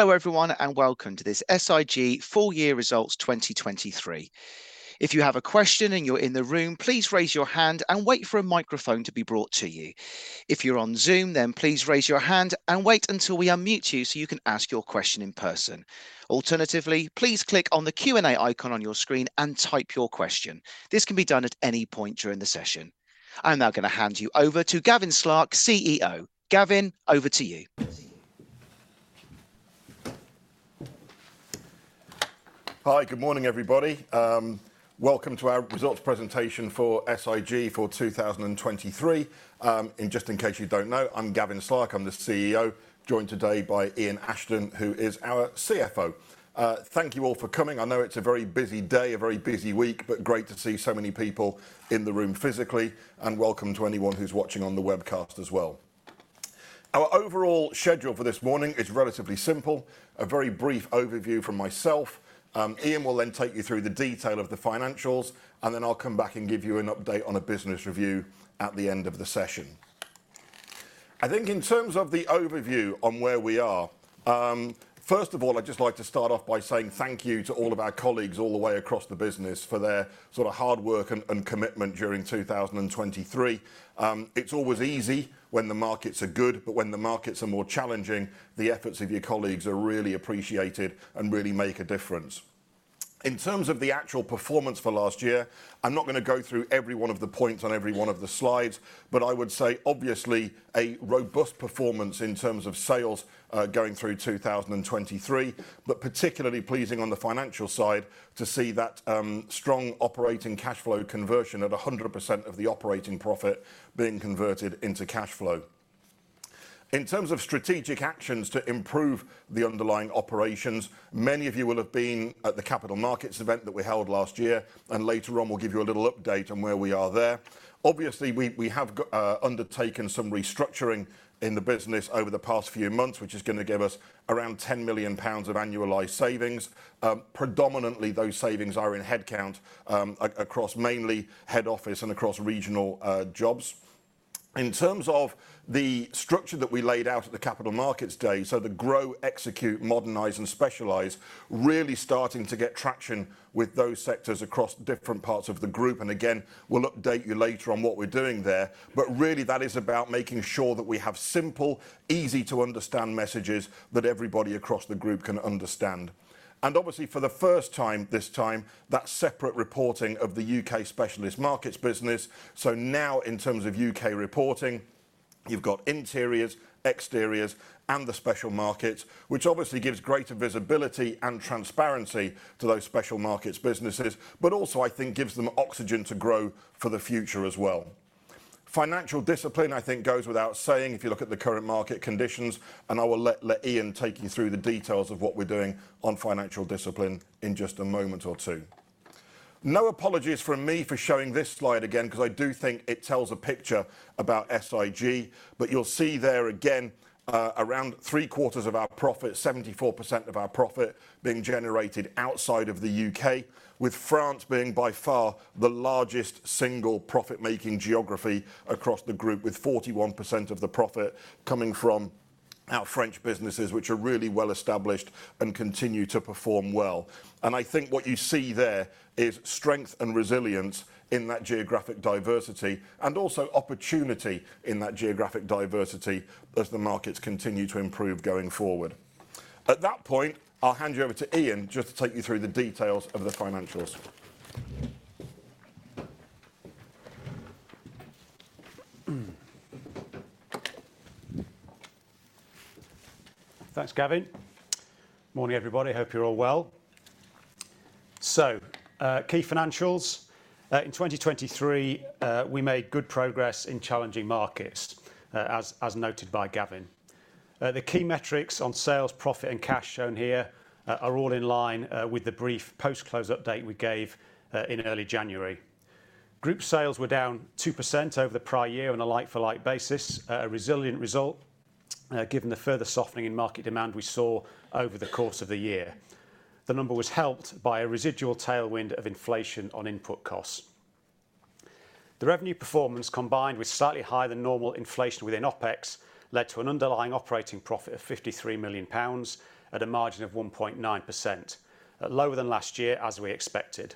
Hello everyone and welcome to this SIG Full Year Results 2023. If you have a question and you're in the room, please raise your hand and wait for a microphone to be brought to you. If you're on Zoom, then please raise your hand and wait until we unmute you so you can ask your question in person. Alternatively, please click on the Q&A icon on your screen and type your question. This can be done at any point during the session. I'm now going to hand you over to Gavin Slark, CEO. Gavin, over to you. Hi, good morning everybody. Welcome to our results presentation for SIG for 2023. Just in case you don't know, I'm Gavin Slark. I'm the CEO, joined today by Ian Ashton, who is our CFO. Thank you all for coming. I know it's a very busy day, a very busy week, but great to see so many people in the room physically, and welcome to anyone who's watching on the webcast as well. Our overall schedule for this morning is relatively simple, a very brief overview from myself. Ian will then take you through the detail of the financials, and then I'll come back and give you an update on a business review at the end of the session. I think in terms of the overview on where we are, first of all, I'd just like to start off by saying thank you to all of our colleagues all the way across the business for their sort of hard work and commitment during 2023. It's always easy when the markets are good, but when the markets are more challenging, the efforts of your colleagues are really appreciated and really make a difference. In terms of the actual performance for last year, I'm not going to go through every one of the points on every one of the slides, but I would say obviously a robust performance in terms of sales going through 2023, but particularly pleasing on the financial side to see that strong operating cash flow conversion at 100% of the operating profit being converted into cash flow. In terms of strategic actions to improve the underlying operations, many of you will have been at the Capital Markets event that we held last year, and later on we'll give you a little update on where we are there. Obviously, we have undertaken some restructuring in the business over the past few months, which is going to give us around 10 million pounds of annualized savings. Predominantly, those savings are in headcount across mainly head office and across regional jobs. In terms of the structure that we laid out at the Capital Markets day, so the grow, execute, modernize, and specialize, really starting to get traction with those sectors across different parts of the group. Again, we'll update you later on what we're doing there, but really that is about making sure that we have simple, easy to understand messages that everybody across the group can understand. And obviously, for the first time this time, that separate reporting of the UK Specialist Markets business. So now in terms of UK reporting, you've got interiors, exteriors, and the special markets, which obviously gives greater visibility and transparency to those special markets businesses, but also I think gives them oxygen to grow for the future as well. Financial discipline, I think, goes without saying if you look at the current market conditions, and I will let Ian take you through the details of what we're doing on financial discipline in just a moment or two. No apologies from me for showing this slide again because I do think it tells a picture about SIG, but you'll see there again around three quarters of our profit, 74% of our profit being generated outside of the U.K., with France being by far the largest single profit-making geography across the group, with 41% of the profit coming from our French businesses, which are really well established and continue to perform well. I think what you see there is strength and resilience in that geographic diversity and also opportunity in that geographic diversity as the markets continue to improve going forward. At that point, I'll hand you over to Ian just to take you through the details of the financials. Thanks, Gavin. Morning everybody. Hope you're all well. So key financials. In 2023, we made good progress in challenging markets, as noted by Gavin. The key metrics on sales, profit, and cash shown here are all in line with the brief post-close update we gave in early January. Group sales were down 2% over the prior year on a like-for-like basis, a resilient result given the further softening in market demand we saw over the course of the year. The number was helped by a residual tailwind of inflation on input costs. The revenue performance, combined with slightly higher than normal inflation within OPEX, led to an underlying operating profit of 53 million pounds at a margin of 1.9%, lower than last year as we expected.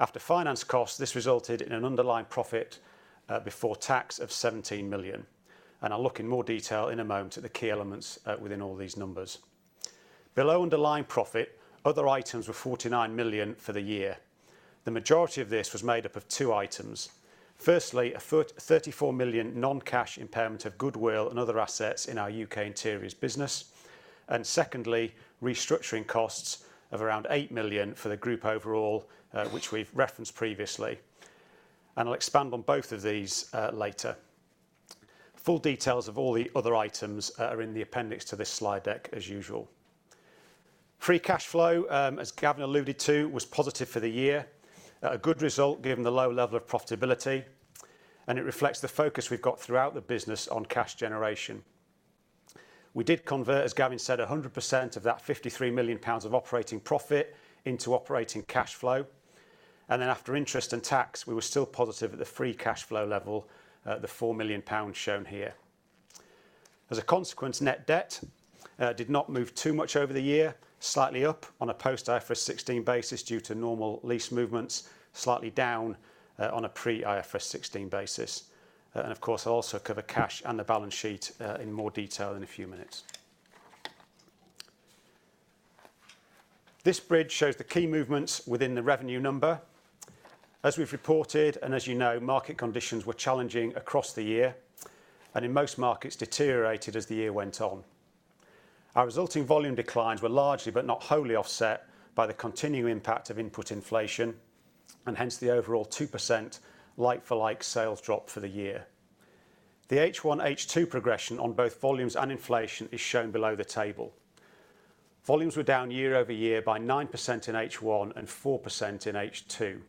After finance costs, this resulted in an underlying profit before tax of 17 million. I'll look in more detail in a moment at the key elements within all these numbers. Below underlying profit, other items were 49 million for the year. The majority of this was made up of two items. Firstly, a 34 million non-cash impairment of goodwill and other assets in our UK interiors business. Secondly, restructuring costs of around 8 million for the group overall, which we've referenced previously. I'll expand on both of these later. Full details of all the other items are in the appendix to this slide deck, as usual. Free cash flow, as Gavin alluded to, was positive for the year, a good result given the low level of profitability. It reflects the focus we've got throughout the business on cash generation. We did convert, as Gavin said, 100% of that 53 million pounds of operating profit into operating cash flow. Then after interest and tax, we were still positive at the free cash flow level, the 4 million pounds shown here. As a consequence, net debt did not move too much over the year, slightly up on a post-IFRS 16 basis due to normal lease movements, slightly down on a pre-IFRS 16 basis. Of course, I'll also cover cash and the balance sheet in more detail in a few minutes. This bridge shows the key movements within the revenue number. As we've reported and as you know, market conditions were challenging across the year. In most markets, deteriorated as the year went on. Our resulting volume declines were largely, but not wholly, offset by the continuing impact of input inflation and hence the overall 2% like-for-like sales drop for the year. The H1/H2 progression on both volumes and inflation is shown below the table. Volumes were down year over year by 9% in H1 and 4% in H2.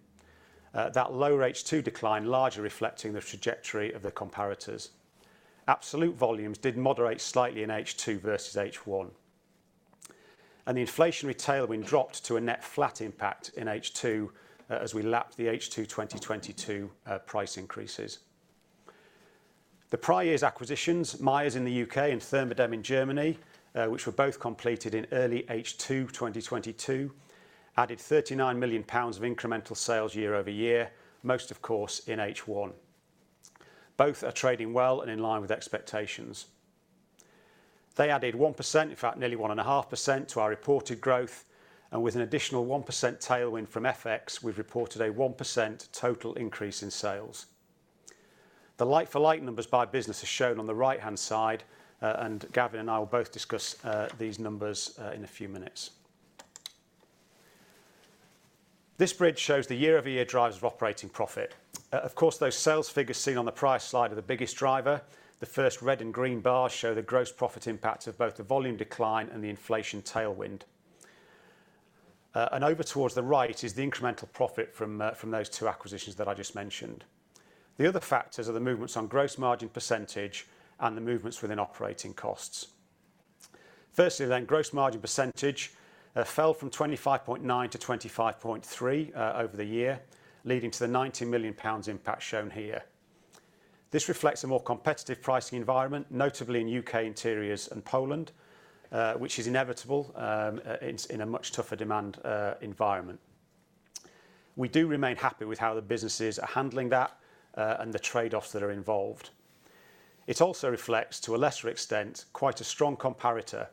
That lower H2 decline, larger, reflecting the trajectory of the comparators. Absolute volumes did moderate slightly in H2 versus H1. The inflationary tailwind dropped to a net flat impact in H2 as we lapped the H2 2022 price increases. The prior year's acquisitions, Miers in the UK and Thermodamm in Germany, which were both completed in early H2 2022, added 39 million pounds of incremental sales year over year, most of course in H1. Both are trading well and in line with expectations. They added 1%, in fact nearly 1.5%, to our reported growth. With an additional 1% tailwind from FX, we've reported a 1% total increase in sales. The like-for-like numbers by business are shown on the right-hand side. Gavin and I will both discuss these numbers in a few minutes. This bridge shows the year-over-year drivers of operating profit. Of course, those sales figures seen on the prior slide are the biggest driver. The first red and green bars show the gross profit impact of both the volume decline and the inflation tailwind. Over towards the right is the incremental profit from those two acquisitions that I just mentioned. The other factors are the movements on gross margin percentage and the movements within operating costs. Firstly, gross margin percentage fell from 25.9% to 25.3% over the year, leading to the 90 million pounds impact shown here. This reflects a more competitive pricing environment, notably in UK Interiors and Poland, which is inevitable in a much tougher demand environment. We do remain happy with how the businesses are handling that and the trade-offs that are involved. It also reflects, to a lesser extent, quite a strong comparator,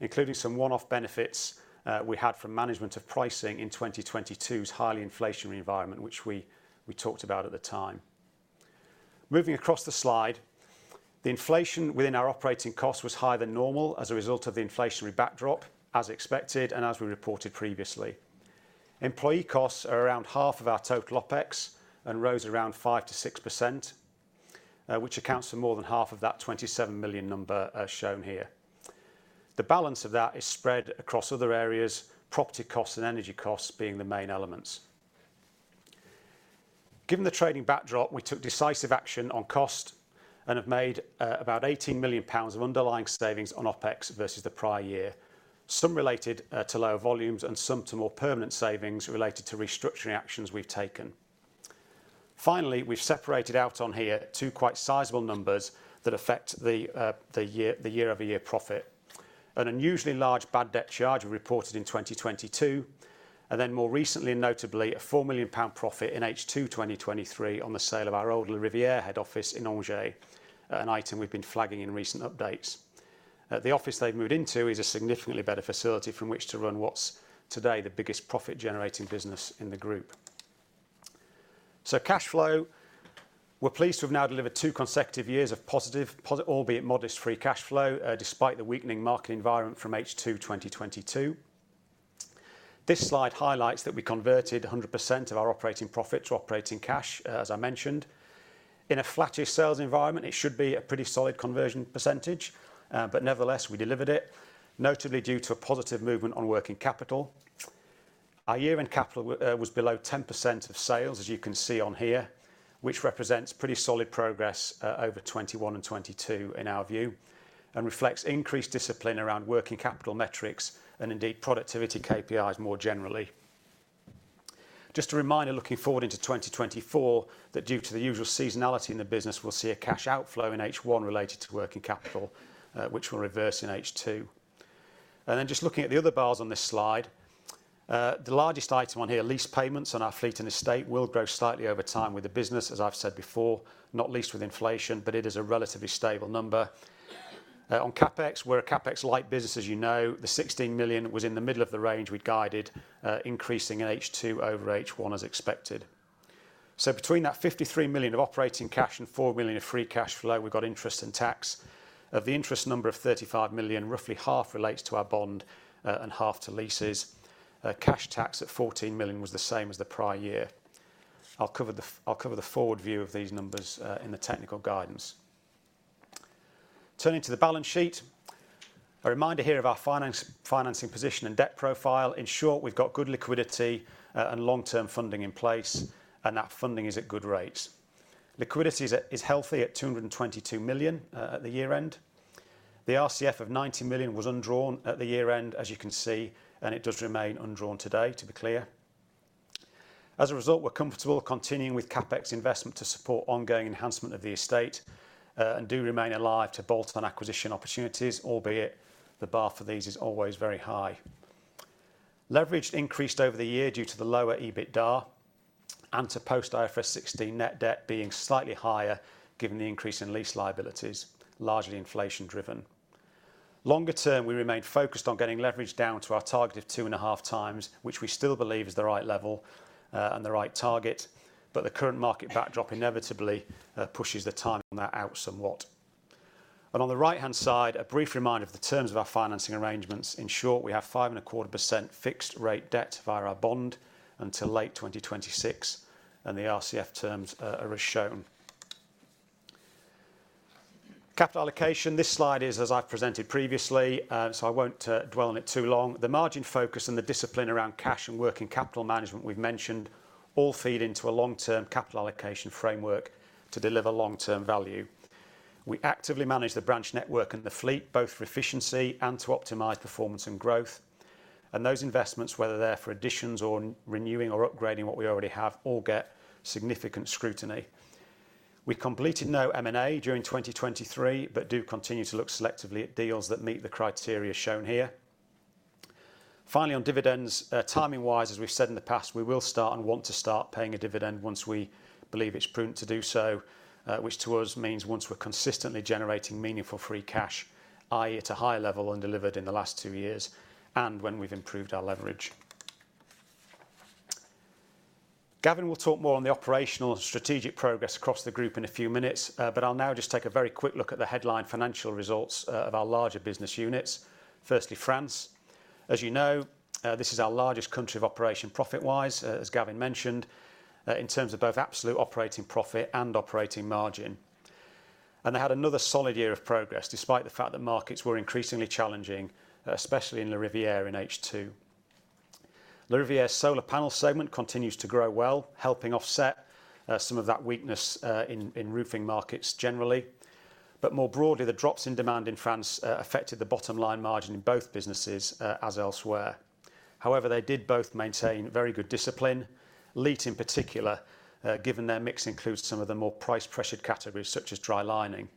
including some one-off benefits we had from management of pricing in 2022's highly inflationary environment, which we talked about at the time. Moving across the slide, the inflation within our operating costs was higher than normal as a result of the inflationary backdrop, as expected and as we reported previously. Employee costs are around half of our total OPEX and rose around 5%-6%, which accounts for more than half of that 27 million number shown here. The balance of that is spread across other areas, property costs and energy costs being the main elements. Given the trading backdrop, we took decisive action on cost and have made about 18 million pounds of underlying savings on OPEX versus the prior year, some related to lower volumes and some to more permanent savings related to restructuring actions we've taken. Finally, we've separated out on here two quite sizable numbers that affect the year-over-year profit. An unusually large bad debt charge we reported in 2022. And then more recently and notably, a 4 million pound profit in H2 2023 on the sale of our old lariviere head office in Angers, an item we've been flagging in recent updates. The office they've moved into is a significantly better facility from which to run what's today the biggest profit-generating business in the group. So cash flow, we're pleased to have now delivered two consecutive years of positive, albeit modest free cash flow, despite the weakening market environment from H2 2022. This slide highlights that we converted 100% of our operating profit to operating cash, as I mentioned. In a flatter sales environment, it should be a pretty solid conversion percentage. But nevertheless, we delivered it, notably due to a positive movement on working capital. Our year-end capital was below 10% of sales, as you can see on here, which represents pretty solid progress over 2021 and 2022 in our view and reflects increased discipline around working capital metrics and indeed productivity KPIs more generally. Just a reminder looking forward into 2024 that due to the usual seasonality in the business, we'll see a cash outflow in H1 related to working capital, which will reverse in H2. And then just looking at the other bars on this slide, the largest item on here, lease payments on our fleet and estate, will grow slightly over time with the business, as I've said before, not least with inflation, but it is a relatively stable number. On CapEx, we're a CapEx-light business, as you know. The 16 million was in the middle of the range we guided, increasing in H2 over H1 as expected. So between that 53 million of operating cash and 4 million of free cash flow, we've got interest and tax. Of the interest number of 35 million, roughly half relates to our bond and half to leases. Cash tax at 14 million was the same as the prior year. I'll cover the forward view of these numbers in the technical guidance. Turning to the balance sheet, a reminder here of our financing position and debt profile. In short, we've got good liquidity and long-term funding in place. That funding is at good rates. Liquidity is healthy at 222 million at the year-end. The RCF of 90 million was undrawn at the year-end, as you can see. It does remain undrawn today, to be clear. As a result, we're comfortable continuing with CapEx investment to support ongoing enhancement of the estate and do remain alive to bolt-on acquisition opportunities, albeit the bar for these is always very high. Leverage increased over the year due to the lower EBITDA and to post-IFRS 16 net debt being slightly higher given the increase in lease liabilities, largely inflation-driven. Longer term, we remain focused on getting leverage down to our target of 2.5x, which we still believe is the right level and the right target. But the current market backdrop inevitably pushes the time on that out somewhat. And on the right-hand side, a brief reminder of the terms of our financing arrangements. In short, we have 5.25% fixed-rate debt via our bond until late 2026. And the RCF terms are as shown. Capital allocation, this slide is, as I've presented previously, so I won't dwell on it too long. The margin focus and the discipline around cash and working capital management we've mentioned all feed into a long-term capital allocation framework to deliver long-term value. We actively manage the branch network and the fleet, both for efficiency and to optimize performance and growth. And those investments, whether they're for additions or renewing or upgrading what we already have, all get significant scrutiny. We completed no M&A during 2023, but do continue to look selectively at deals that meet the criteria shown here. Finally, on dividends, timing-wise, as we've said in the past, we will start and want to start paying a dividend once we believe it's prudent to do so, which to us means once we're consistently generating meaningful free cash, i.e., at a higher level than delivered in the last two years and when we've improved our leverage. Gavin will talk more on the operational and strategic progress across the group in a few minutes. But I'll now just take a very quick look at the headline financial results of our larger business units. Firstly, France. As you know, this is our largest country of operation profit-wise, as Gavin mentioned, in terms of both absolute operating profit and operating margin. And they had another solid year of progress despite the fact that markets were increasingly challenging, especially in lariviere in H2. lariviere's solar panel segment continues to grow well, helping offset some of that weakness in roofing markets generally. But more broadly, the drops in demand in France affected the bottom-line margin in both businesses as elsewhere. However, they did both maintain very good discipline. LiTT, in particular, given their mix includes some of the more price-pressured categories such as dry lining.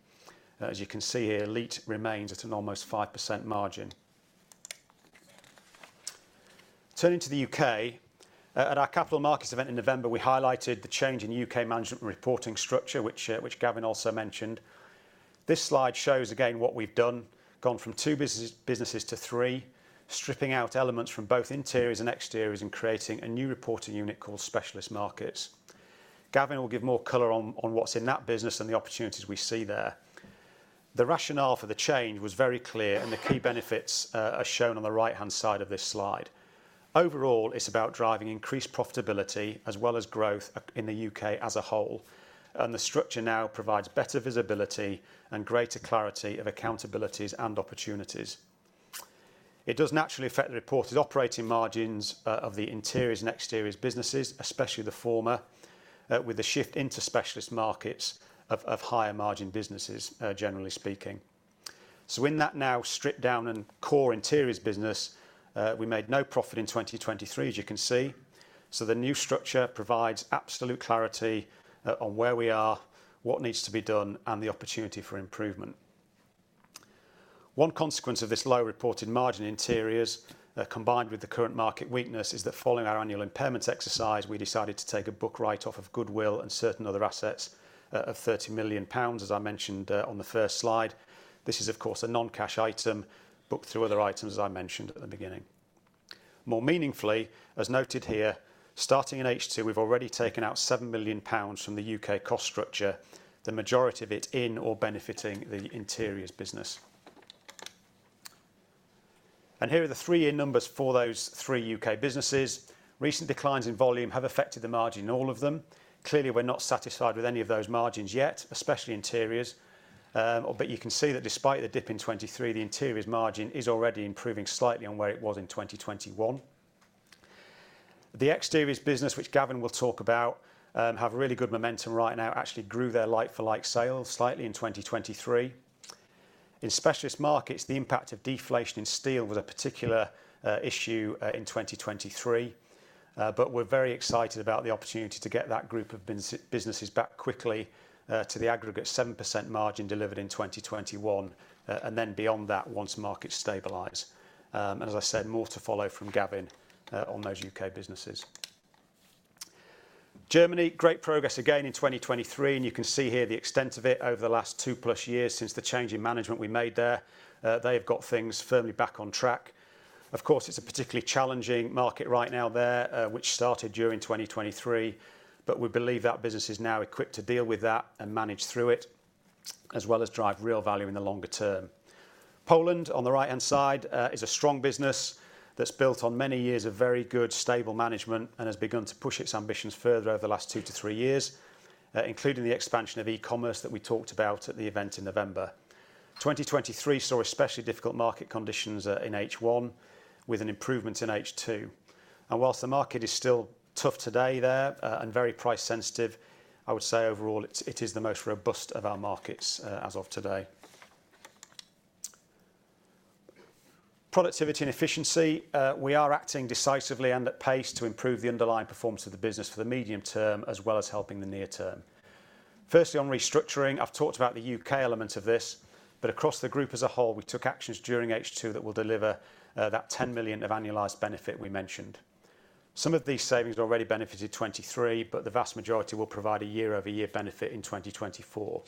As you can see here, LiTT remains at an almost 5% margin. Turning to the UK, at our capital markets event in November, we highlighted the change in UK management reporting structure, which Gavin also mentioned. This slide shows again what we've done, gone from two businesses to three, stripping out elements from both interiors and exteriors and creating a new reporting unit called Specialist Markets. Gavin will give more color on what's in that business and the opportunities we see there. The rationale for the change was very clear. The key benefits are shown on the right-hand side of this slide. Overall, it's about driving increased profitability as well as growth in the UK as a whole. The structure now provides better visibility and greater clarity of accountabilities and opportunities. It does naturally affect the reported operating margins of the interiors and exteriors businesses, especially the former, with the shift into Specialist Markets of higher-margin businesses, generally speaking. In that now stripped-down and core interiors business, we made no profit in 2023, as you can see. The new structure provides absolute clarity on where we are, what needs to be done, and the opportunity for improvement. One consequence of this low reported margin in interiors, combined with the current market weakness, is that following our annual impairments exercise, we decided to take a book write-off of goodwill and certain other assets of 30 million pounds, as I mentioned on the first slide. This is, of course, a non-cash item, booked through other items, as I mentioned at the beginning. More meaningfully, as noted here, starting in H2, we've already taken out 7 million pounds from the UK cost structure, the majority of it in or benefiting the interiors business. And here are the three-year numbers for those three UK businesses. Recent declines in volume have affected the margin in all of them. Clearly, we're not satisfied with any of those margins yet, especially interiors. But you can see that despite the dip in 2023, the interiors margin is already improving slightly on where it was in 2021. The exteriors business, which Gavin will talk about, have really good momentum right now, actually grew their like-for-like sales slightly in 2023. In Specialist Markets, the impact of deflation in steel was a particular issue in 2023. But we're very excited about the opportunity to get that group of businesses back quickly to the aggregate 7% margin delivered in 2021. And then beyond that once markets stabilize. And as I said, more to follow from Gavin on those UK businesses. Germany, great progress again in 2023. And you can see here the extent of it over the last 2+ years since the change in management we made there. They have got things firmly back on track. Of course, it's a particularly challenging market right now there, which started during 2023. But we believe that business is now equipped to deal with that and manage through it, as well as drive real value in the longer term. Poland, on the right-hand side, is a strong business that's built on many years of very good, stable management and has begun to push its ambitions further over the last 2-3 years, including the expansion of e-commerce that we talked about at the event in November. 2023 saw especially difficult market conditions in H1 with an improvement in H2. Whilst the market is still tough today there and very price-sensitive, I would say overall it is the most robust of our markets as of today. Productivity and efficiency, we are acting decisively and at pace to improve the underlying performance of the business for the medium term, as well as helping the near term. Firstly, on restructuring, I've talked about the UK element of this. But across the group as a whole, we took actions during H2 that will deliver that 10 million of annualized benefit we mentioned. Some of these savings are already benefited 2023. But the vast majority will provide a year-over-year benefit in 2024.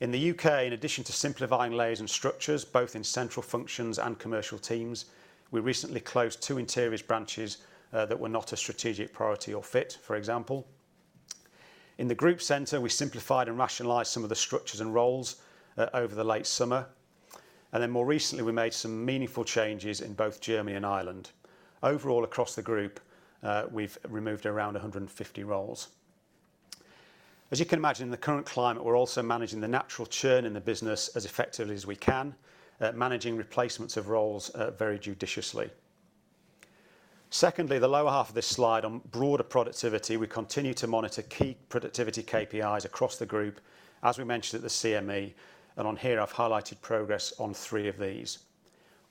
In the UK, in addition to simplifying layers and structures, both in central functions and commercial teams, we recently closed 2 interiors branches that were not a strategic priority or fit, for example. In the group center, we simplified and rationalized some of the structures and roles over the late summer. And then more recently, we made some meaningful changes in both Germany and Ireland. Overall, across the group, we've removed around 150 roles. As you can imagine, in the current climate, we're also managing the natural churn in the business as effectively as we can, managing replacements of roles very judiciously. Secondly, the lower half of this slide on broader productivity, we continue to monitor key productivity KPIs across the group, as we mentioned at the CME. And on here, I've highlighted progress on three of these.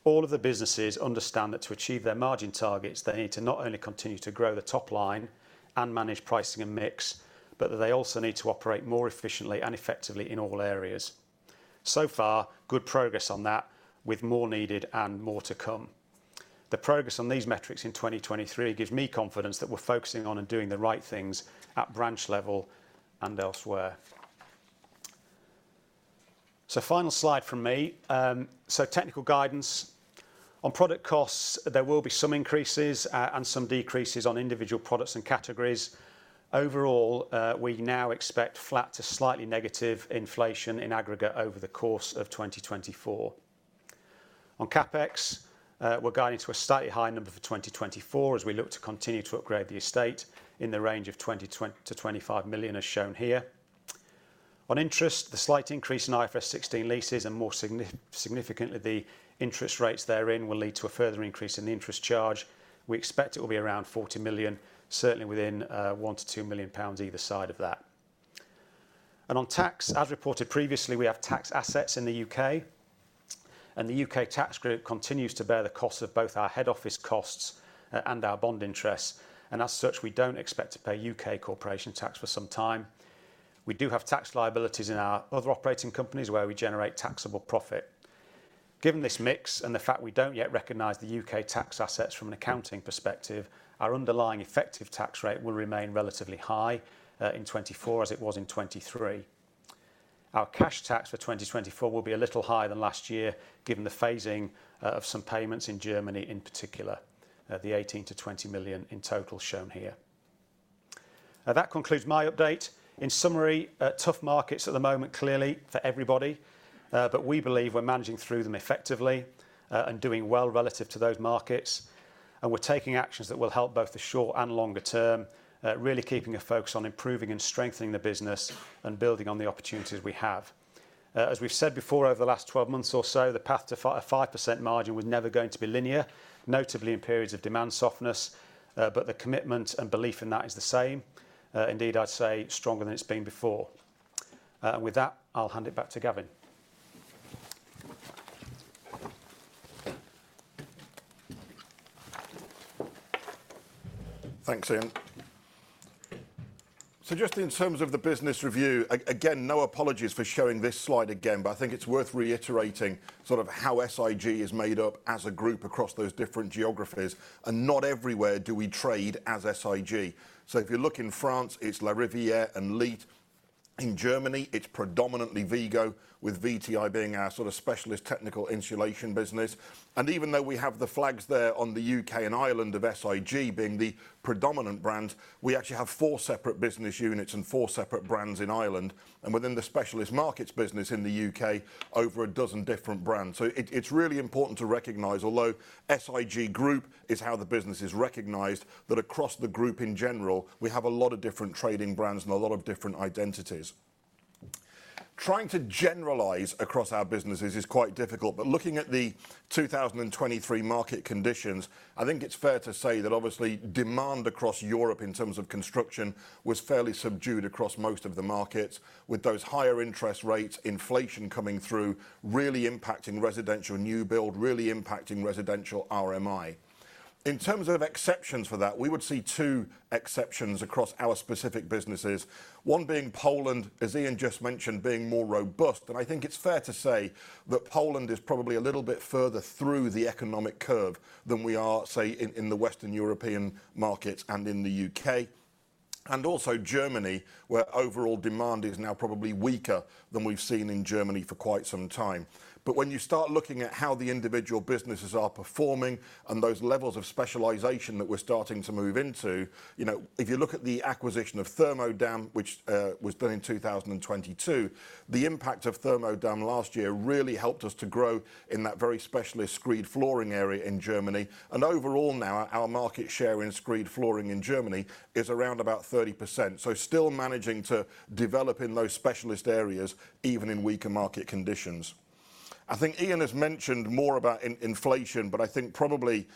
All of the businesses understand that to achieve their margin targets, they need to not only continue to grow the top line and manage pricing and mix, but that they also need to operate more efficiently and effectively in all areas. So far, good progress on that, with more needed and more to come. The progress on these metrics in 2023 gives me confidence that we're focusing on and doing the right things at branch level and elsewhere. So final slide from me. So technical guidance, on product costs, there will be some increases and some decreases on individual products and categories. Overall, we now expect flat to slightly negative inflation in aggregate over the course of 2024. On CapEx, we're guiding to a slightly higher number for 2024 as we look to continue to upgrade the estate in the range of 20-25 million, as shown here. On interest, the slight increase in IFRS 16 leases and more significantly, the interest rates therein will lead to a further increase in the interest charge. We expect it will be around 40 million, certainly within 1-2 million pounds either side of that. On tax, as reported previously, we have tax assets in the UK. The UK tax group continues to bear the costs of both our head office costs and our bond interests. As such, we don't expect to pay UK corporation tax for some time. We do have tax liabilities in our other operating companies where we generate taxable profit. Given this mix and the fact we don't yet recognise the UK tax assets from an accounting perspective, our underlying effective tax rate will remain relatively high in 2024 as it was in 2023. Our cash tax for 2024 will be a little higher than last year, given the phasing of some payments in Germany in particular, the 18 million-20 million in total shown here. That concludes my update. In summary, tough markets at the moment, clearly, for everybody. But we believe we're managing through them effectively and doing well relative to those markets. We're taking actions that will help both the short and longer term, really keeping a focus on improving and strengthening the business and building on the opportunities we have. As we've said before, over the last 12 months or so, the path to a 5% margin was never going to be linear, notably in periods of demand softness. But the commitment and belief in that is the same. Indeed, I'd say stronger than it's been before. With that, I'll hand it back to Gavin. Thanks, Ian. So just in terms of the business review, again, no apologies for showing this slide again. But I think it's worth reiterating sort of how SIG is made up as a group across those different geographies. And not everywhere do we trade as SIG. So if you look in France, it's larivire and LiTT. In Germany, it's predominantly WeGo, with VTI being our sort of specialist technical insulation business. And even though we have the flags there on the UK and Ireland of SIG being the predominant brand, we actually have four separate business units and four separate brands in Ireland. And within the Specialist Markets business in the UK, over a dozen different brands. So it's really important to recognize, although SIG Group is how the business is recognized, that across the group in general, we have a lot of different trading brands and a lot of different identities. Trying to generalize across our businesses is quite difficult. But looking at the 2023 market conditions, I think it's fair to say that obviously, demand across Europe in terms of construction was fairly subdued across most of the markets, with those higher interest rates, inflation coming through, really impacting residential new build, really impacting residential RMI. In terms of exceptions for that, we would see two exceptions across our specific businesses. One being Poland, as Ian just mentioned, being more robust. And I think it's fair to say that Poland is probably a little bit further through the economic curve than we are, say, in the Western European markets and in the UK. Also Germany, where overall demand is now probably weaker than we've seen in Germany for quite some time. But when you start looking at how the individual businesses are performing and those levels of specialisation that we're starting to move into, you know if you look at the acquisition of Thermodamm, which was done in 2022, the impact of Thermodamm last year really helped us to grow in that very specialist screed flooring area in Germany. And overall now, our market share in screed flooring in Germany is around about 30%. So still managing to develop in those specialist areas, even in weaker market conditions. I think Ian has mentioned more about inflation. But I think probably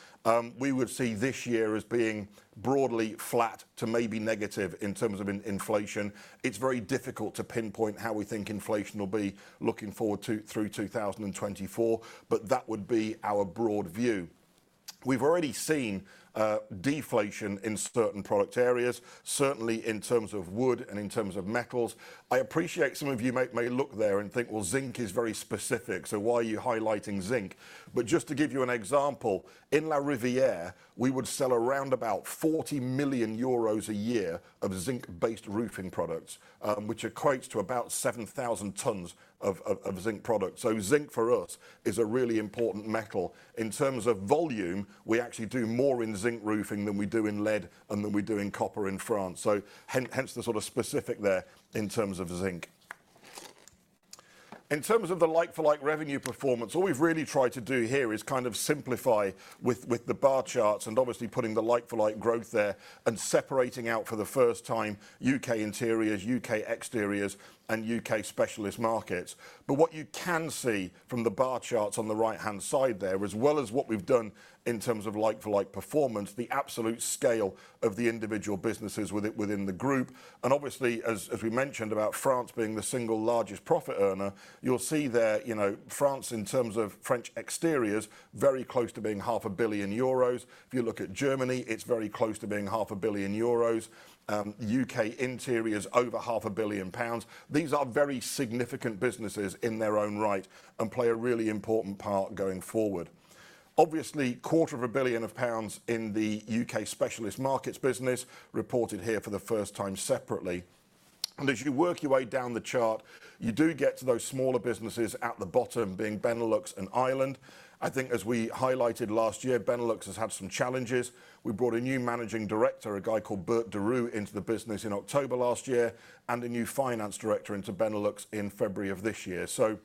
we would see this year as being broadly flat to maybe negative in terms of inflation. It's very difficult to pinpoint how we think inflation will be looking forward to through 2024. But that would be our broad view. We've already seen deflation in certain product areas, certainly in terms of wood and in terms of metals. I appreciate some of you may look there and think, well, zinc is very specific. So why are you highlighting zinc? But just to give you an example, in Larivière, we would sell around about 40 million euros a year of zinc-based roofing products, which equates to about 7,000 tonnes of zinc products. So zinc for us is a really important metal. In terms of volume, we actually do more in zinc roofing than we do in lead and than we do in copper in France. So hence the sort of specific there in terms of zinc. In terms of the like-for-like revenue performance, all we've really tried to do here is kind of simplify with the bar charts and obviously putting the like-for-like growth there and separating out for the first time UK interiors, UK Exteriors, and UK Specialist Markets. But what you can see from the bar charts on the right-hand side there, as well as what we've done in terms of like-for-like performance, the absolute scale of the individual businesses within the group. And obviously, as we mentioned about France being the single largest profit earner, you'll see there, you know France in terms of French exteriors, very close to being 500 million euros. If you look at Germany, it's very close to being 500 million euros. UK interiors, over 500 million pounds. These are very significant businesses in their own right and play a really important part going forward. Obviously, 250 million pounds in the UK Specialist Markets business reported here for the first time separately. As you work your way down the chart, you do get to those smaller businesses at the bottom being Benelux and Ireland. I think as we highlighted last year, Benelux has had some challenges. We brought a new managing director, a guy called Bert de Ru, into the business in October last year. A new finance director into Benelux in February of this year. So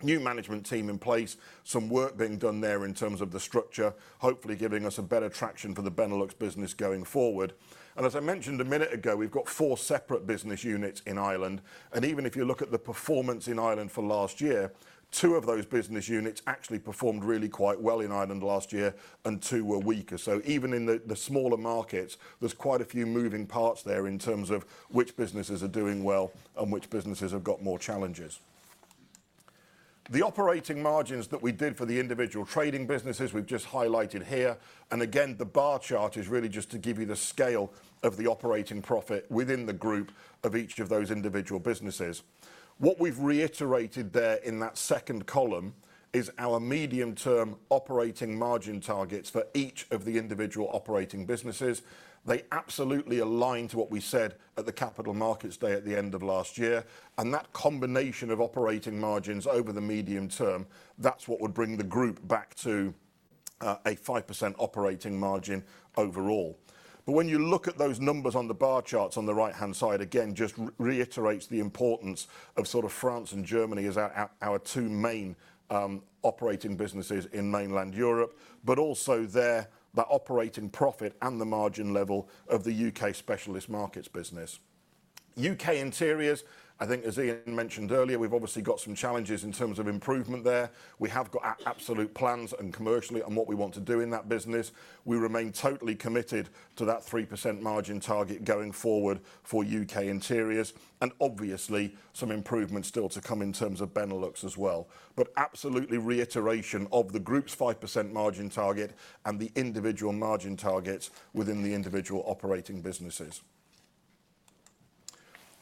new management team in place, some work being done there in terms of the structure, hopefully giving us a better traction for the Benelux business going forward. As I mentioned a minute ago, we've got four separate business units in Ireland. Even if you look at the performance in Ireland for last year, two of those business units actually performed really quite well in Ireland last year. Two were weaker. So even in the smaller markets, there's quite a few moving parts there in terms of which businesses are doing well and which businesses have got more challenges. The operating margins that we did for the individual trading businesses, we've just highlighted here. Again, the bar chart is really just to give you the scale of the operating profit within the group of each of those individual businesses. What we've reiterated there in that second column is our medium-term operating margin targets for each of the individual operating businesses. They absolutely align to what we said at the Capital Markets Day at the end of last year. That combination of operating margins over the medium term, that's what would bring the group back to a 5% operating margin overall. But when you look at those numbers on the bar charts on the right-hand side, again, just reiterates the importance of sort of France and Germany as our two main operating businesses in mainland Europe. But also there, that operating profit and the margin level of the UK Specialist Markets business. UK Interiors, I think as Ian mentioned earlier, we've obviously got some challenges in terms of improvement there. We have got absolute plans and commercially on what we want to do in that business. We remain totally committed to that 3% margin target going forward for UK Interiors. And obviously, some improvements still to come in terms of Benelux as well. But absolutely reiteration of the group's 5% margin target and the individual margin targets within the individual operating businesses.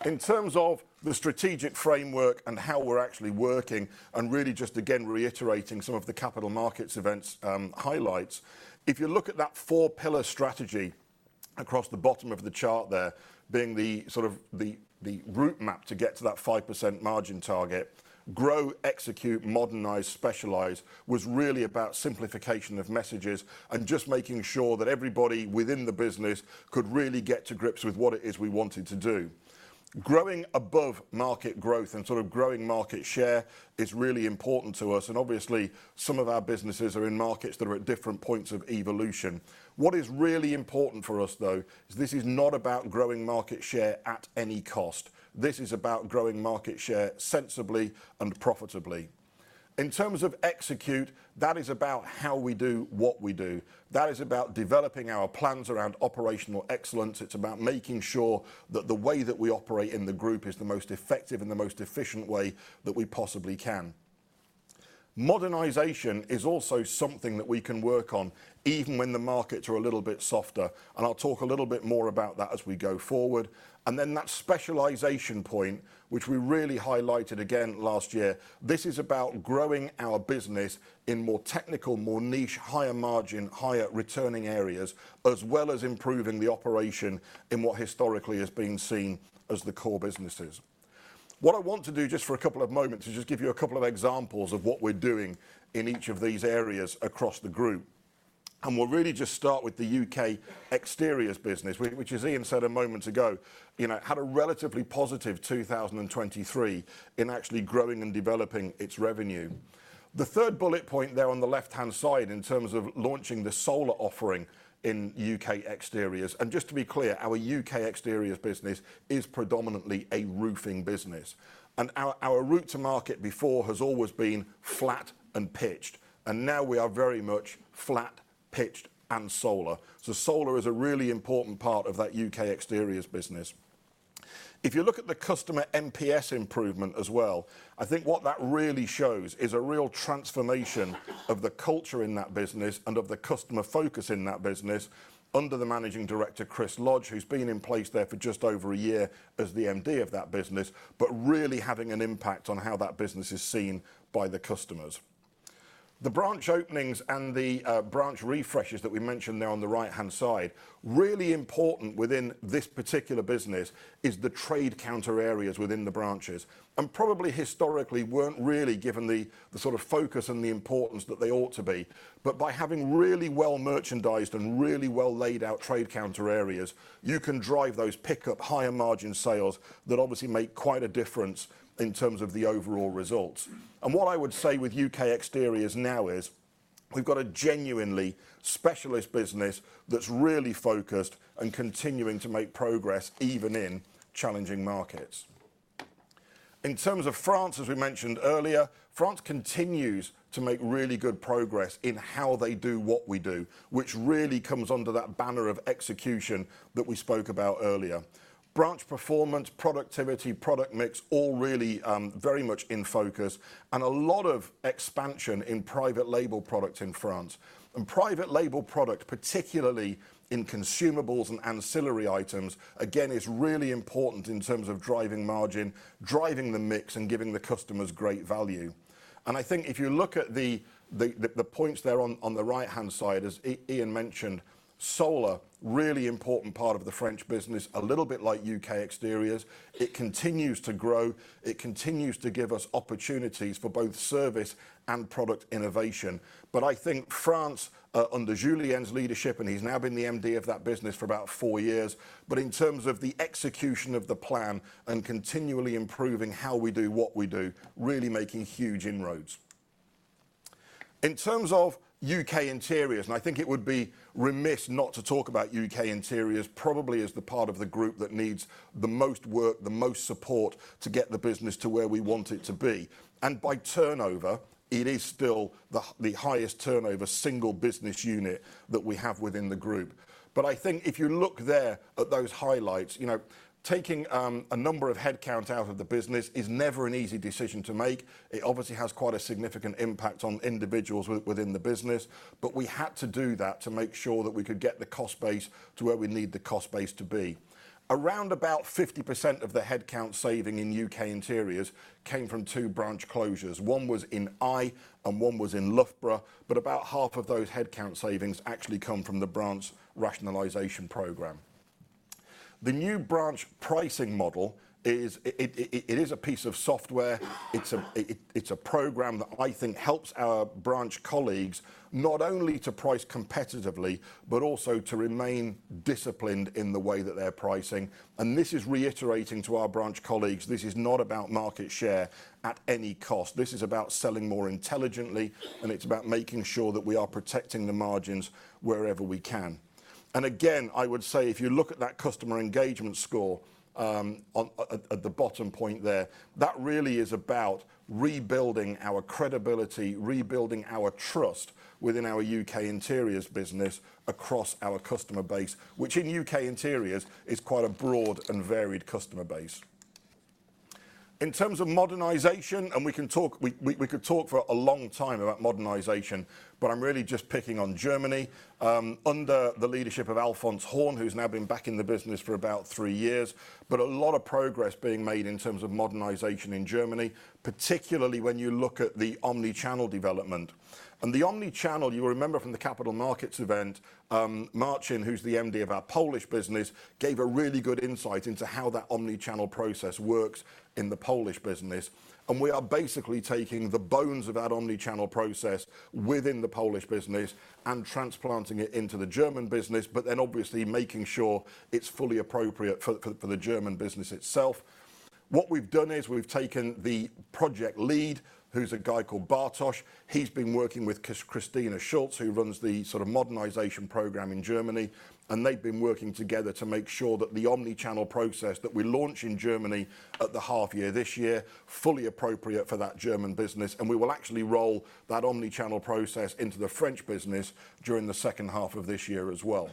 In terms of the strategic framework and how we're actually working and really just, again, reiterating some of the Capital Markets Events highlights, if you look at that four-pillar strategy across the bottom of the chart there being the sort of the route map to get to that 5% margin target, grow, execute, modernize, specialize was really about simplification of messages and just making sure that everybody within the business could really get to grips with what it is we wanted to do. Growing above market growth and sort of growing market share is really important to us. And obviously, some of our businesses are in markets that are at different points of evolution. What is really important for us, though, is this is not about growing market share at any cost. This is about growing market share sensibly and profitably. In terms of execution, that is about how we do what we do. That is about developing our plans around operational excellence. It's about making sure that the way that we operate in the group is the most effective and the most efficient way that we possibly can. Modernization is also something that we can work on even when the markets are a little bit softer. And I'll talk a little bit more about that as we go forward. And then that specialization point, which we really highlighted again last year, this is about growing our business in more technical, more niche, higher margin, higher returning areas, as well as improving the operation in what historically has been seen as the core businesses. What I want to do just for a couple of moments is just give you a couple of examples of what we're doing in each of these areas across the group. We'll really just start with the UK Exteriors business, which as Ian said a moment ago, you know had a relatively positive 2023 in actually growing and developing its revenue. The third bullet point there on the left-hand side in terms of launching the solar offering in UK Exteriors. Just to be clear, our UK Exteriors business is predominantly a roofing business. Our route to market before has always been flat and pitched. Now we are very much flat, pitched, and solar. Solar is a really important part of that UK Exteriors business. If you look at the customer MPS improvement as well, I think what that really shows is a real transformation of the culture in that business and of the customer focus in that business under the managing director, Chris Lodge, who's been in place there for just over a year as the MD of that business, but really having an impact on how that business is seen by the customers. The branch openings and the branch refreshes that we mentioned there on the right-hand side, really important within this particular business is the trade counter areas within the branches. Probably historically weren't really given the sort of focus and the importance that they ought to be. But by having really well merchandised and really well laid out trade counter areas, you can drive those pickup, higher margin sales that obviously make quite a difference in terms of the overall results. And what I would say with UK Exteriors now is we've got a genuinely specialist business that's really focused and continuing to make progress even in challenging markets. In terms of France, as we mentioned earlier, France continues to make really good progress in how they do what we do, which really comes under that banner of execution that we spoke about earlier. Branch performance, productivity, product mix, all really very much in focus. And a lot of expansion in private label products in France. And private label product, particularly in consumables and ancillary items, again, is really important in terms of driving margin, driving the mix, and giving the customers great value. And I think if you look at the points there on the right-hand side, as Ian mentioned, solar, really important part of the French business, a little bit like UK Exteriors. It continues to grow. It continues to give us opportunities for both service and product innovation. But I think France under Julien's leadership, and he's now been the MD of that business for about four years, but in terms of the execution of the plan and continually improving how we do what we do, really making huge inroads. In terms of UK interiors, and I think it would be remiss not to talk about UK interiors probably as the part of the group that needs the most work, the most support to get the business to where we want it to be. By turnover, it is still the highest turnover single business unit that we have within the group. But I think if you look there at those highlights, you know taking a number of headcount out of the business is never an easy decision to make. It obviously has quite a significant impact on individuals within the business. But we had to do that to make sure that we could get the cost base to where we need the cost base to be. Around about 50% of the headcount saving in UK Interiors came from 2 branch closures. One was in Eye and one was in Loughborough. But about half of those headcount savings actually come from the branch rationalization program. The new branch pricing model is. It is a piece of software. It's a program that I think helps our branch colleagues not only to price competitively but also to remain disciplined in the way that they're pricing. This is reiterating to our branch colleagues, this is not about market share at any cost. This is about selling more intelligently. It's about making sure that we are protecting the margins wherever we can. Again, I would say if you look at that customer engagement score at the bottom point there, that really is about rebuilding our credibility, rebuilding our trust within our UK interiors business across our customer base, which in UK interiors is quite a broad and varied customer base. In terms of modernization, we could talk for a long time about modernization. I'm really just picking on Germany under the leadership of Alfons Horn, who's now been back in the business for about three years. A lot of progress being made in terms of modernization in Germany, particularly when you look at the omnichannel development. The omnichannel, you will remember from the Capital Markets Event, Marcin, who's the MD of our Polish business, gave a really good insight into how that omnichannel process works in the Polish business. We are basically taking the bones of that omnichannel process within the Polish business and transplanting it into the German business, but then obviously making sure it's fully appropriate for the German business itself. What we've done is we've taken the project lead, who's a guy called Bartosz. He's been working with Kristina Schulz, who runs the sort of modernization program in Germany. And they've been working together to make sure that the omnichannel process that we launch in Germany at the half-year this year is fully appropriate for that German business. And we will actually roll that omnichannel process into the French business during the second half of this year as well.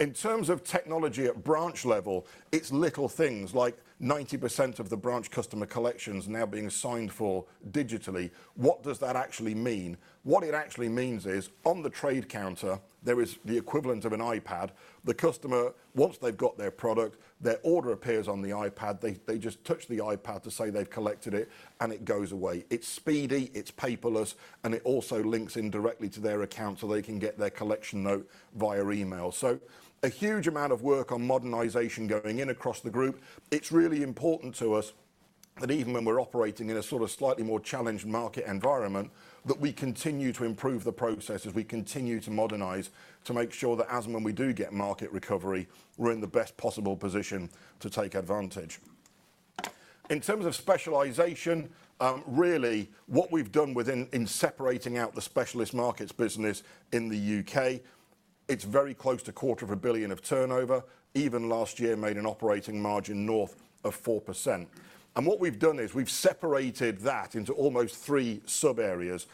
In terms of technology at branch level, it's little things. Like 90% of the branch customer collections now being signed for digitally. What does that actually mean? What it actually means is on the trade counter, there is the equivalent of an iPad. The customer, once they've got their product, their order appears on the iPad. They just touch the iPad to say they've collected it. And it goes away. It's speedy. It's paperless. And it also links in directly to their account so they can get their collection note via email. A huge amount of work on modernization going in across the group. It's really important to us that even when we're operating in a sort of slightly more challenged market environment, that we continue to improve the processes. We continue to modernize to make sure that as and when we do get market recovery, we're in the best possible position to take advantage. In terms of specialization, really what we've done within separating out the Specialist Markets business in the UK, it's very close to 250 million of turnover. Even last year, it made an operating margin north of 4%. What we've done is we've separated that into almost three sub-areas.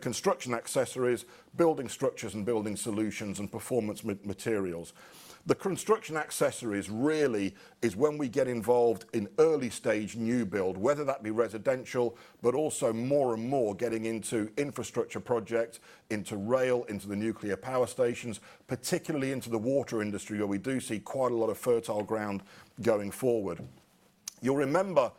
Construction accessories, building structures, and Building Solutions, and performance materials. The construction accessories really is when we get involved in early-stage new build, whether that be residential, but also more and more getting into infrastructure projects, into rail, into the nuclear power stations, particularly into the water industry where we do see quite a lot of fertile ground going forward. You'll remember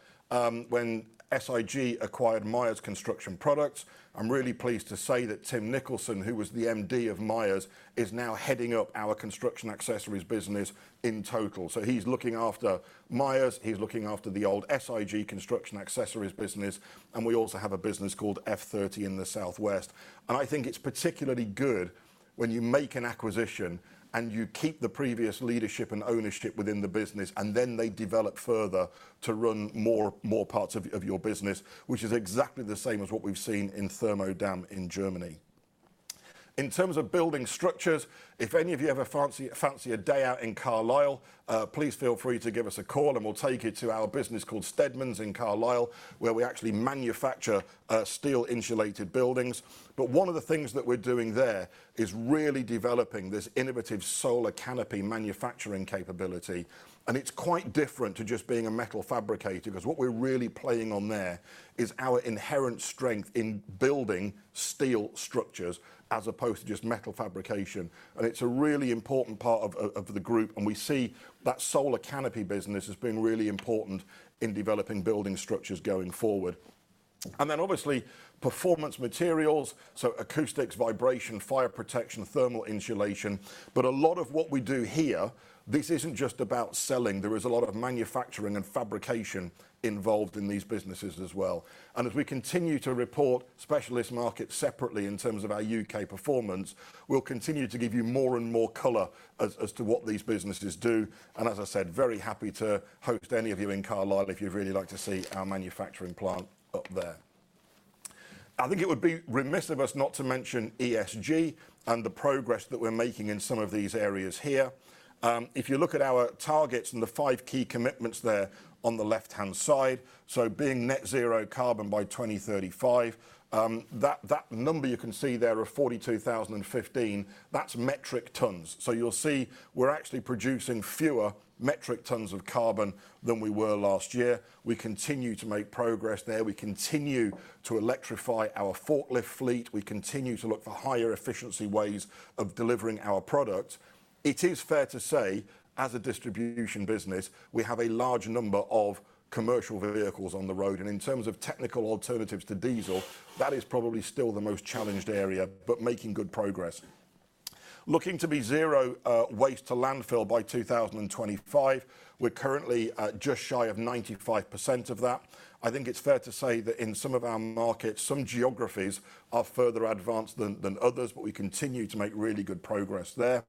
when SIG acquired Miers Construction Products. I'm really pleased to say that Tim Nicholson, who was the MD of Miers, is now heading up our construction accessories business in total. So he's looking after Miers. He's looking after the old SIG construction accessories business. And we also have a business called F30 in the southwest. And I think it's particularly good when you make an acquisition and you keep the previous leadership and ownership within the business. Then they develop further to run more parts of your business, which is exactly the same as what we've seen in Thermodamm in Germany. In terms of building structures, if any of you have a fancier day out in Carlisle, please feel free to give us a call. We'll take you to our business called Steadmans in Carlisle, where we actually manufacture steel-insulated buildings. But one of the things that we're doing there is really developing this innovative solar canopy manufacturing capability. It's quite different to just being a metal fabricator because what we're really playing on there is our inherent strength in building steel structures as opposed to just metal fabrication. It's a really important part of the group. We see that solar canopy business as being really important in developing building structures going forward. And then obviously performance materials, so acoustics, vibration, fire protection, thermal insulation. But a lot of what we do here, this isn't just about selling. There is a lot of manufacturing and fabrication involved in these businesses as well. And as we continue to report Specialist Markets separately in terms of our UK performance, we'll continue to give you more and more color as to what these businesses do. And as I said, very happy to host any of you in Carlisle if you'd really like to see our manufacturing plant up there. I think it would be remiss of us not to mention ESG and the progress that we're making in some of these areas here. If you look at our targets and the five key commitments there on the left-hand side, so being net zero carbon by 2035, that number you can see there are 42,015. That's metric tons. So you'll see we're actually producing fewer metric tons of carbon than we were last year. We continue to make progress there. We continue to electrify our forklift fleet. We continue to look for higher efficiency ways of delivering our product. It is fair to say as a distribution business, we have a large number of commercial vehicles on the road. And in terms of technical alternatives to diesel, that is probably still the most challenged area, but making good progress. Looking to be zero waste to landfill by 2025, we're currently just shy of 95% of that. I think it's fair to say that in some of our markets, some geographies are further advanced than others. But we continue to make really good progress there.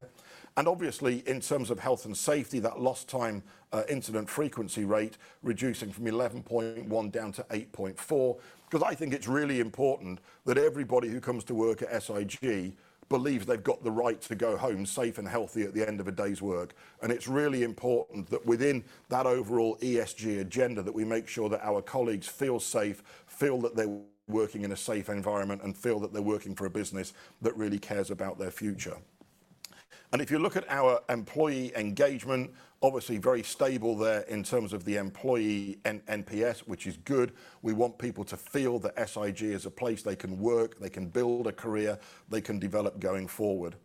Obviously in terms of health and safety, that lost time incident frequency rate reducing from 11.1 down to 8.4 because I think it's really important that everybody who comes to work at SIG believes they've got the right to go home safe and healthy at the end of a day's work. It's really important that within that overall ESG agenda, that we make sure that our colleagues feel safe, feel that they're working in a safe environment, and feel that they're working for a business that really cares about their future. If you look at our employee engagement, obviously very stable there in terms of the employee NPS, which is good. We want people to feel that SIG is a place they can work, they can build a career, they can develop going forward.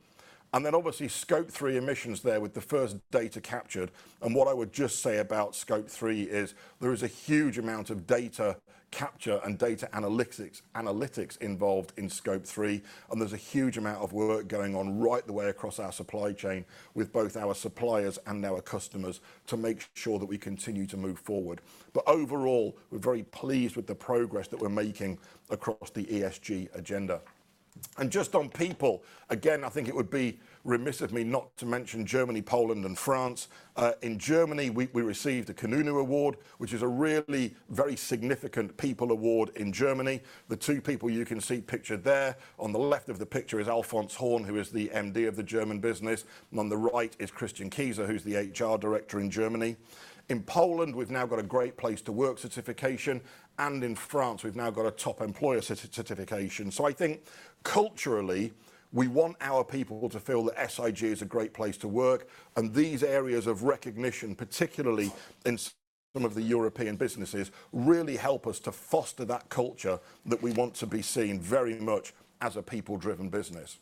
Then obviously Scope 3 emissions there with the first data captured. What I would just say about scope three is there is a huge amount of data capture and data analytics involved in scope three. And there's a huge amount of work going on right the way across our supply chain with both our suppliers and our customers to make sure that we continue to move forward. But overall, we're very pleased with the progress that we're making across the ESG agenda. And just on people, again, I think it would be remiss of me not to mention Germany, Poland, and France. In Germany, we received the Kununu Award, which is a really very significant people award in Germany. The two people you can see pictured there on the left of the picture is Alfons Horn, who is the MD of the German business. And on the right is Christian Kaiser, who's the HR Director in Germany. In Poland, we've now got a great place to work certification. In France, we've now got a top employer certification. I think culturally, we want our people to feel that SIG is a great place to work. These areas of recognition, particularly in some of the European businesses, really help us to foster that culture that we want to be seen very much as a people-driven business.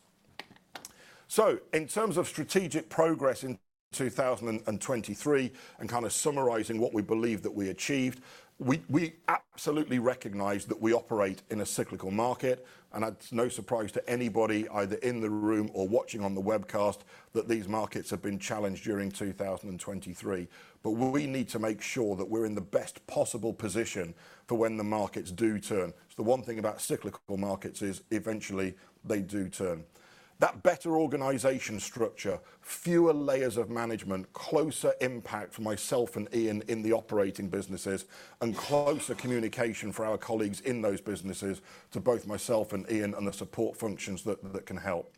In terms of strategic progress in 2023 and kind of summarising what we believe that we achieved, we absolutely recognise that we operate in a cyclical market. It's no surprise to anybody either in the room or watching on the webcast that these markets have been challenged during 2023. We need to make sure that we're in the best possible position for when the markets do turn. So the one thing about cyclical markets is eventually they do turn. That better organization structure, fewer layers of management, closer impact for myself and Ian in the operating businesses, and closer communication for our colleagues in those businesses to both myself and Ian and the support functions that can help.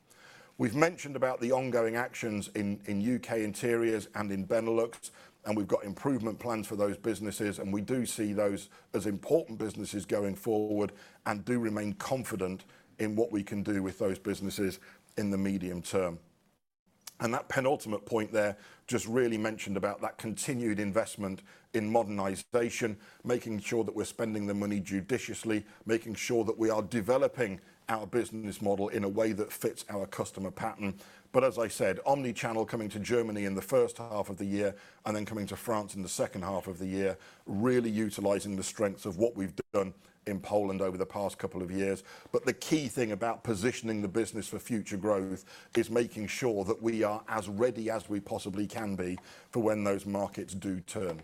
We've mentioned about the ongoing actions in UK interiors and in Benelux. We've got improvement plans for those businesses. We do see those as important businesses going forward and do remain confident in what we can do with those businesses in the medium term. That penultimate point there just really mentioned about that continued investment in modernization, making sure that we're spending the money judiciously, making sure that we are developing our business model in a way that fits our customer pattern. But as I said, omnichannel coming to Germany in the first half of the year and then coming to France in the second half of the year, really utilizing the strengths of what we've done in Poland over the past couple of years. But the key thing about positioning the business for future growth is making sure that we are as ready as we possibly can be for when those markets do turn.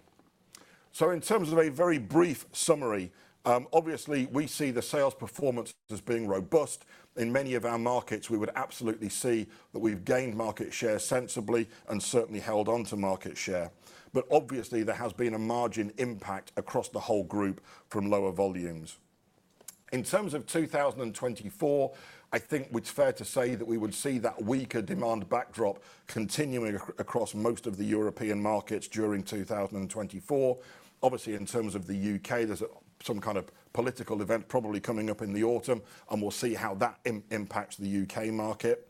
So in terms of a very brief summary, obviously we see the sales performance as being robust. In many of our markets, we would absolutely see that we've gained market share sensibly and certainly held onto market share. But obviously there has been a margin impact across the whole group from lower volumes. In terms of 2024, I think it's fair to say that we would see that weaker demand backdrop continuing across most of the European markets during 2024. Obviously, in terms of the UK, there's some kind of political event probably coming up in the autumn. We'll see how that impacts the UK market.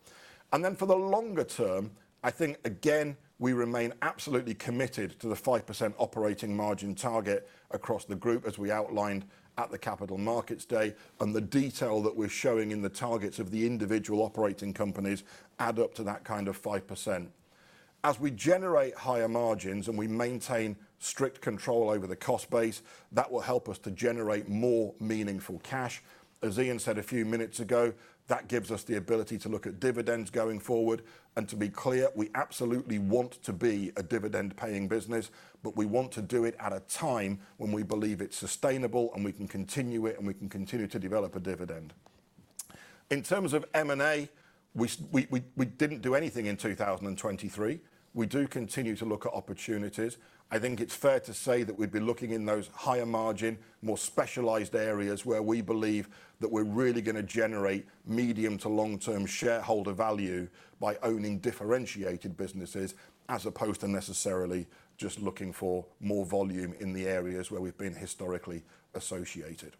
For the longer term, I think again, we remain absolutely committed to the 5% operating margin target across the group as we outlined at the Capital Markets Day. The detail that we're showing in the targets of the individual operating companies add up to that kind of 5%. As we generate higher margins and we maintain strict control over the cost base, that will help us to generate more meaningful cash. As Ian said a few minutes ago, that gives us the ability to look at dividends going forward. To be clear, we absolutely want to be a dividend-paying business. But we want to do it at a time when we believe it's sustainable and we can continue it and we can continue to develop a dividend. In terms of M&A, we didn't do anything in 2023. We do continue to look at opportunities. I think it's fair to say that we'd be looking in those higher margin, more specialised areas where we believe that we're really going to generate medium to long-term shareholder value by owning differentiated businesses as opposed to necessarily just looking for more volume in the areas where we've been historically associated.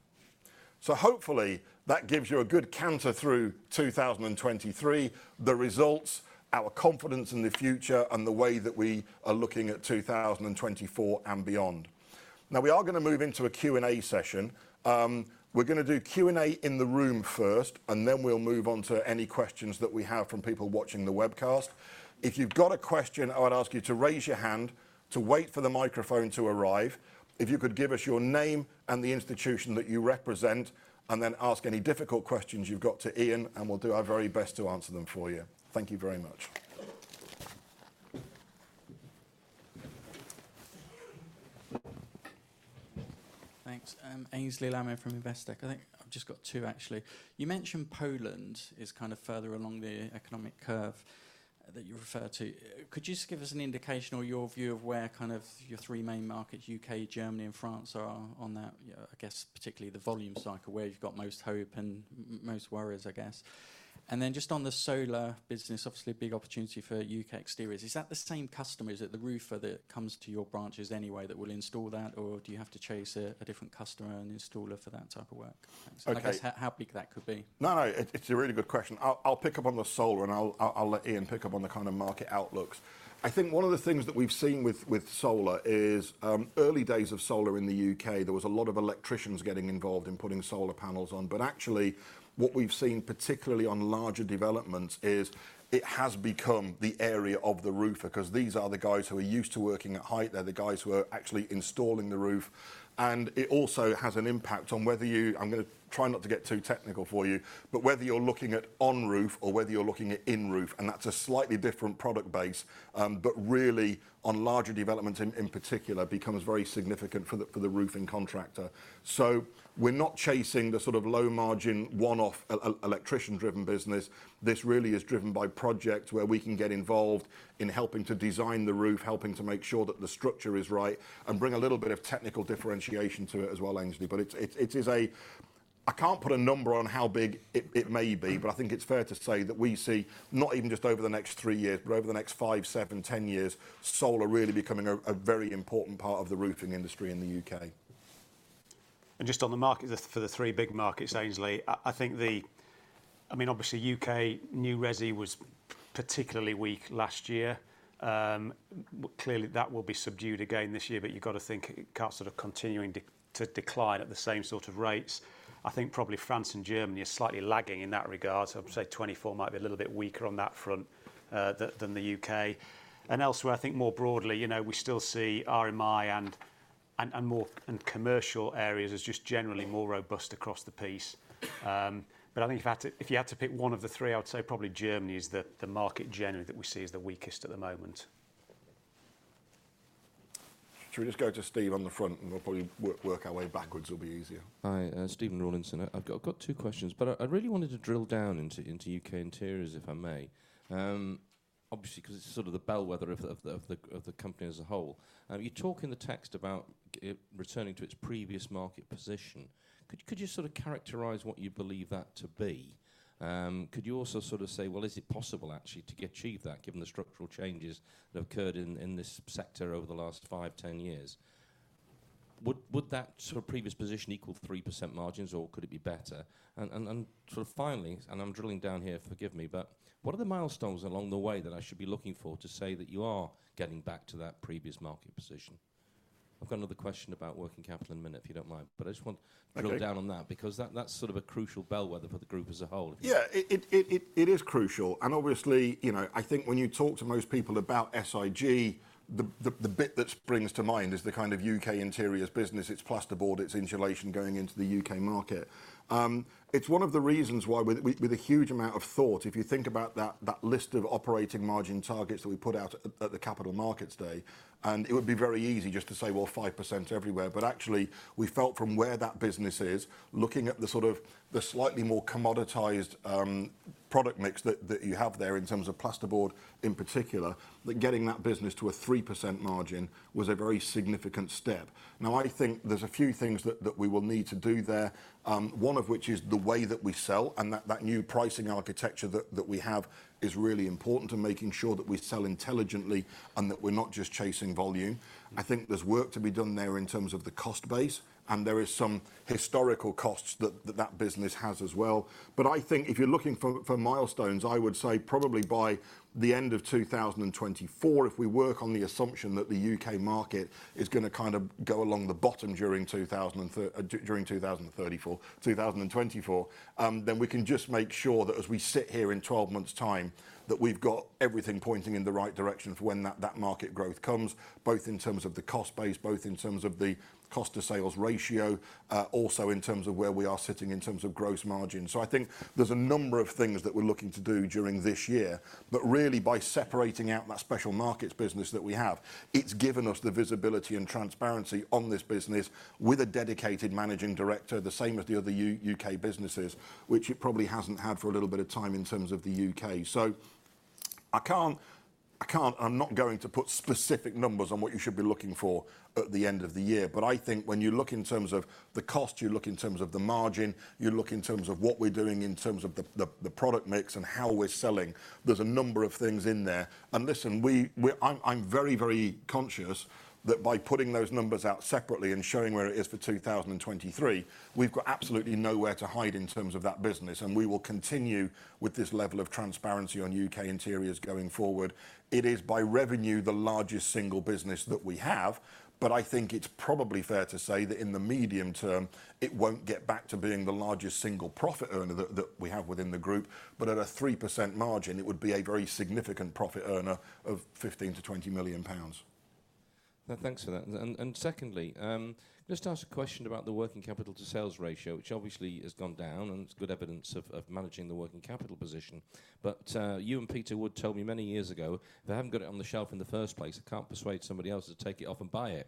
So hopefully that gives you a good counter through 2023, the results, our confidence in the future, and the way that we are looking at 2024 and beyond. Now, we are going to move into a Q&A session. We're going to do Q&A in the room first. Then we'll move on to any questions that we have from people watching the webcast. If you've got a question, I would ask you to raise your hand to wait for the microphone to arrive. If you could give us your name and the institution that you represent. Then ask any difficult questions you've got to Ian. And we'll do our very best to answer them for you. Thank you very much. Thanks. Aynsley Sheridan from Investec. I think I've just got two, actually. You mentioned Poland is kind of further along the economic curve that you refer to. Could you just give us an indication or your view of where kind of your three main markets, UK, Germany, and France, are on that, I guess, particularly the volume cycle, where you've got most hope and most worries, I guess? And then just on the solar business, obviously a big opportunity for UK Exteriors. Is that the same customers at the roofer that comes to your branches anyway that will install that? Or do you have to chase a different customer and installer for that type of work? Thanks. I guess how big that could be. No, no. It's a really good question. I'll pick up on the solar. I'll let Ian pick up on the kind of market outlooks. I think one of the things that we've seen with solar is early days of solar in the UK, there was a lot of electricians getting involved in putting solar panels on. But actually, what we've seen particularly on larger developments is it has become the area of the roofer because these are the guys who are used to working at height. They're the guys who are actually installing the roof. And it also has an impact on whether you. I'm going to try not to get too technical for you. But whether you're looking at on-roof or whether you're looking at in-roof. And that's a slightly different product base. But really, on larger developments in particular, it becomes very significant for the roofing contractor. So we're not chasing the sort of low-margin one-off electrician-driven business. This really is driven by projects where we can get involved in helping to design the roof, helping to make sure that the structure is right, and bring a little bit of technical differentiation to it as well, Aynsley. But it is, I can't put a number on how big it may be. But I think it's fair to say that we see not even just over the next 3 years, but over the next 5, 7, 10 years, solar really becoming a very important part of the roofing industry in the U.K. Just on the markets for the three big markets, Aynsley, I think, I mean, obviously, UK new resi was particularly weak last year. Clearly, that will be subdued again this year. But you've got to think it can't sort of continue to decline at the same sort of rates. I think probably France and Germany are slightly lagging in that regard. So I'd say 2024 might be a little bit weaker on that front than the UK. And elsewhere, I think more broadly, you know we still see RMI and more and commercial areas as just generally more robust across the piece. But I think if you had to pick one of the three, I would say probably Germany is the market generally that we see as the weakest at the moment. Should we just go to Steve on the front? We'll probably work our way backwards. It'll be easier. Hi. Stephen Rawlinson here. I've got two questions. But I really wanted to drill down into UK interiors, if I may. Obviously, because it's sort of the bellwether of the company as a whole. You talk in the text about returning to its previous market position. Could you sort of characterize what you believe that to be? Could you also sort of say, well, is it possible actually to achieve that given the structural changes that have occurred in this sector over the last 5, 10 years? Would that sort of previous position equal 3% margins? Or could it be better? And sort of finally, and I'm drilling down here, forgive me. But what are the milestones along the way that I should be looking for to say that you are getting back to that previous market position? I've got another question about working capital in a minute, if you don't mind. But I just want to drill down on that because that's sort of a crucial bellwether for the group as a whole. Yeah. It is crucial. And obviously, you know I think when you talk to most people about SIG, the bit that springs to mind is the kind of UK interiors business. It's plasterboard. It's insulation going into the UK market. It's one of the reasons why with a huge amount of thought, if you think about that list of operating margin targets that we put out at the Capital Markets Day. And it would be very easy just to say, well, 5% everywhere. But actually, we felt from where that business is, looking at the sort of the slightly more commoditized product mix that you have there in terms of plasterboard in particular, that getting that business to a 3% margin was a very significant step. Now, I think there's a few things that we will need to do there. One of which is the way that we sell. That new pricing architecture that we have is really important to making sure that we sell intelligently and that we're not just chasing volume. I think there's work to be done there in terms of the cost base. And there are some historical costs that that business has as well. But I think if you're looking for milestones, I would say probably by the end of 2024, if we work on the assumption that the UK market is going to kind of go along the bottom during 2024, then we can just make sure that as we sit here in 12 months' time, that we've got everything pointing in the right direction for when that market growth comes, both in terms of the cost base, both in terms of the cost to sales ratio, also in terms of where we are sitting in terms of gross margin. So I think there's a number of things that we're looking to do during this year. But really, by separating out that special markets business that we have, it's given us the visibility and transparency on this business with a dedicated managing director, the same as the other UK businesses, which it probably hasn't had for a little bit of time in terms of the UK. So I can't and I'm not going to put specific numbers on what you should be looking for at the end of the year. But I think when you look in terms of the cost, you look in terms of the margin, you look in terms of what we're doing in terms of the product mix and how we're selling, there's a number of things in there. Listen, I'm very, very conscious that by putting those numbers out separately and showing where it is for 2023, we've got absolutely nowhere to hide in terms of that business. We will continue with this level of transparency on UK interiors going forward. It is by revenue the largest single business that we have. But I think it's probably fair to say that in the medium term, it won't get back to being the largest single profit earner that we have within the group. But at a 3% margin, it would be a very significant profit earner of 15-20 million pounds. Thanks for that. Secondly, I'm going to just ask a question about the working capital to sales ratio, which obviously has gone down. It's good evidence of managing the working capital position. But you and Peter Wood told me many years ago if they haven't got it on the shelf in the first place, they can't persuade somebody else to take it off and buy it.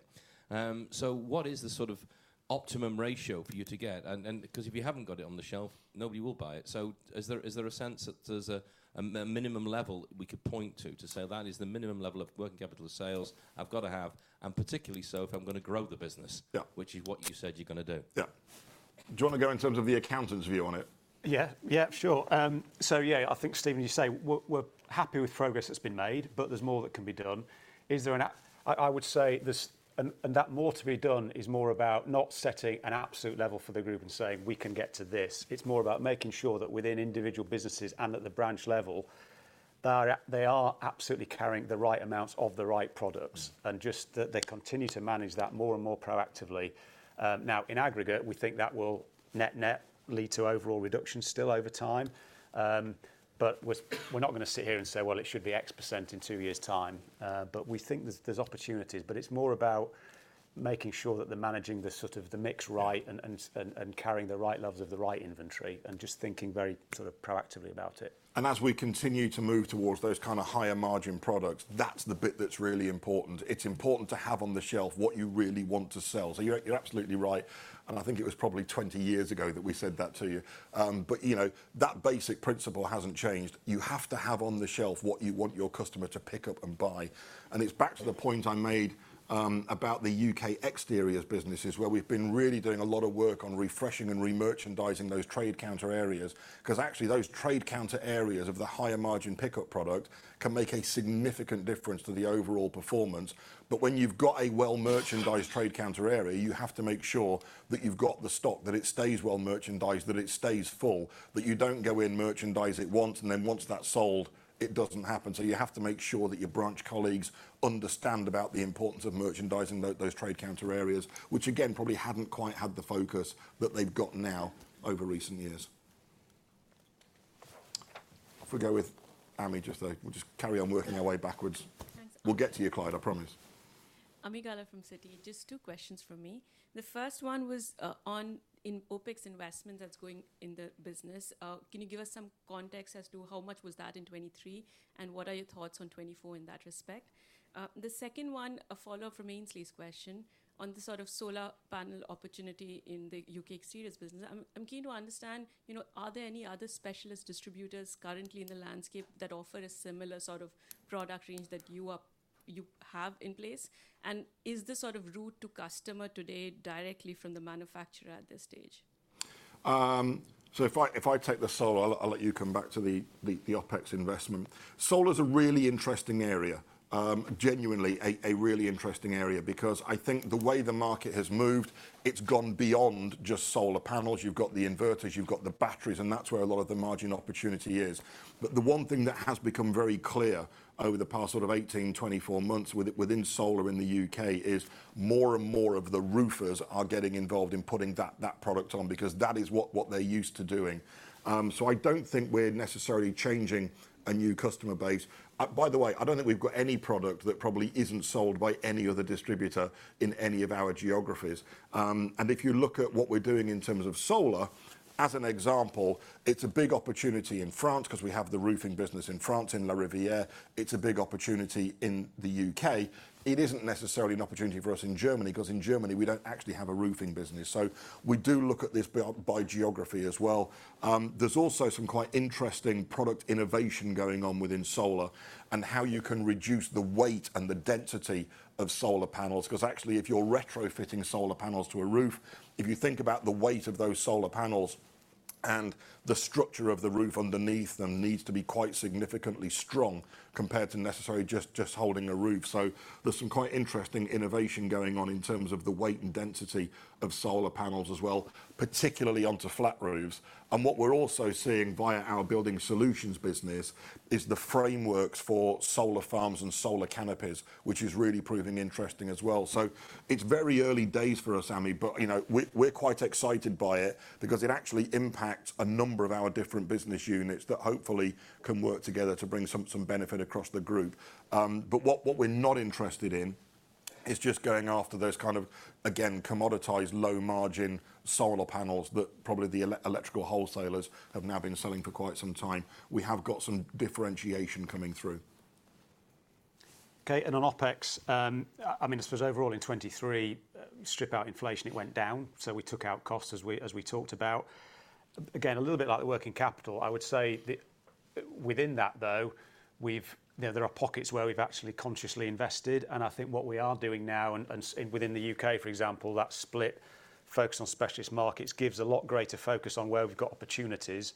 So what is the sort of optimum ratio for you to get? Because if you haven't got it on the shelf, nobody will buy it. So is there a sense that there's a minimum level we could point to to say that is the minimum level of working capital to sales I've got to have? And particularly so if I'm going to grow the business, which is what you said you're going to do. Yeah. Do you want to go in terms of the accountant's view on it? Yeah. Yeah. Sure. So yeah, I think, Stephen, you say we're happy with progress that's been made. But there's more that can be done. I would say there's more to be done, and that more to be done is more about not setting an absolute level for the group and saying, "We can get to this." It's more about making sure that within individual businesses and at the branch level, they are absolutely carrying the right amounts of the right products. And just that they continue to manage that more and more proactively. Now, in aggregate, we think that will net-net lead to overall reductions still over time. But we're not going to sit here and say, "Well, it should be X% in two years' time." But we think there's opportunities. But it's more about making sure that they're managing the sort of mix right and carrying the right levels of the right inventory and just thinking very sort of proactively about it. As we continue to move towards those kind of higher margin products, that's the bit that's really important. It's important to have on the shelf what you really want to sell. So you're absolutely right. And I think it was probably 20 years ago that we said that to you. But you know that basic principle hasn't changed. You have to have on the shelf what you want your customer to pick up and buy. And it's back to the point I made about the UK Exteriors businesses where we've been really doing a lot of work on refreshing and remerchandising those trade counter areas. Because actually, those trade counter areas of the higher margin pickup product can make a significant difference to the overall performance. But when you've got a well-merchandised trade counter area, you have to make sure that you've got the stock, that it stays well-merchandised, that it stays full, that you don't go in, merchandise it once. And then once that's sold, it doesn't happen. So you have to make sure that your branch colleagues understand about the importance of merchandising those trade counter areas, which again probably hadn't quite had the focus that they've got now over recent years. I'll forgo with Amy just there. We'll just carry on working our way backwards. We'll get to you, Clyde. I promise. Amigala from Citi, just two questions from me. The first one was on OPEX investments that's going in the business. Can you give us some context as to how much was that in 2023? And what are your thoughts on 2024 in that respect? The second one, a follow-up from Ainsley's question on the sort of solar panel opportunity in the UK Exteriors business. I'm keen to understand, you know are there any other specialist distributors currently in the landscape that offer a similar sort of product range that you have in place? And is this sort of route to customer today directly from the manufacturer at this stage? If I take the solar, I'll let you come back to the OPEX investment. Solar is a really interesting area, genuinely a really interesting area. Because I think the way the market has moved, it's gone beyond just solar panels. You've got the inverters. You've got the batteries. And that's where a lot of the margin opportunity is. But the one thing that has become very clear over the past sort of 18-24 months within solar in the U.K. is more and more of the roofers are getting involved in putting that product on. Because that is what they're used to doing. So I don't think we're necessarily changing a new customer base. By the way, I don't think we've got any product that probably isn't sold by any other distributor in any of our geographies. If you look at what we're doing in terms of solar, as an example, it's a big opportunity in France because we have the roofing business in France in Larivière. It's a big opportunity in the UK. It isn't necessarily an opportunity for us in Germany. Because in Germany, we don't actually have a roofing business. So we do look at this by geography as well. There's also some quite interesting product innovation going on within solar and how you can reduce the weight and the density of solar panels. Because actually, if you're retrofitting solar panels to a roof, if you think about the weight of those solar panels and the structure of the roof underneath them needs to be quite significantly strong compared to necessarily just holding a roof. So there's some quite interesting innovation going on in terms of the weight and density of solar panels as well, particularly onto flat roofs. And what we're also seeing via our building solutions business is the frameworks for solar farms and solar canopies, which is really proving interesting as well. So it's very early days for us, Ami. But you know we're quite excited by it. Because it actually impacts a number of our different business units that hopefully can work together to bring some benefit across the group. But what we're not interested in is just going after those kind of, again, commoditized low margin solar panels that probably the electrical wholesalers have now been selling for quite some time. We have got some differentiation coming through. OK. And on OPEX, I mean, I suppose overall in 2023, strip out inflation, it went down. So we took out costs as we talked about. Again, a little bit like the working capital. I would say within that, though, there are pockets where we've actually consciously invested. And I think what we are doing now within the UK, for example, that split focus on Specialist Markets gives a lot greater focus on where we've got opportunities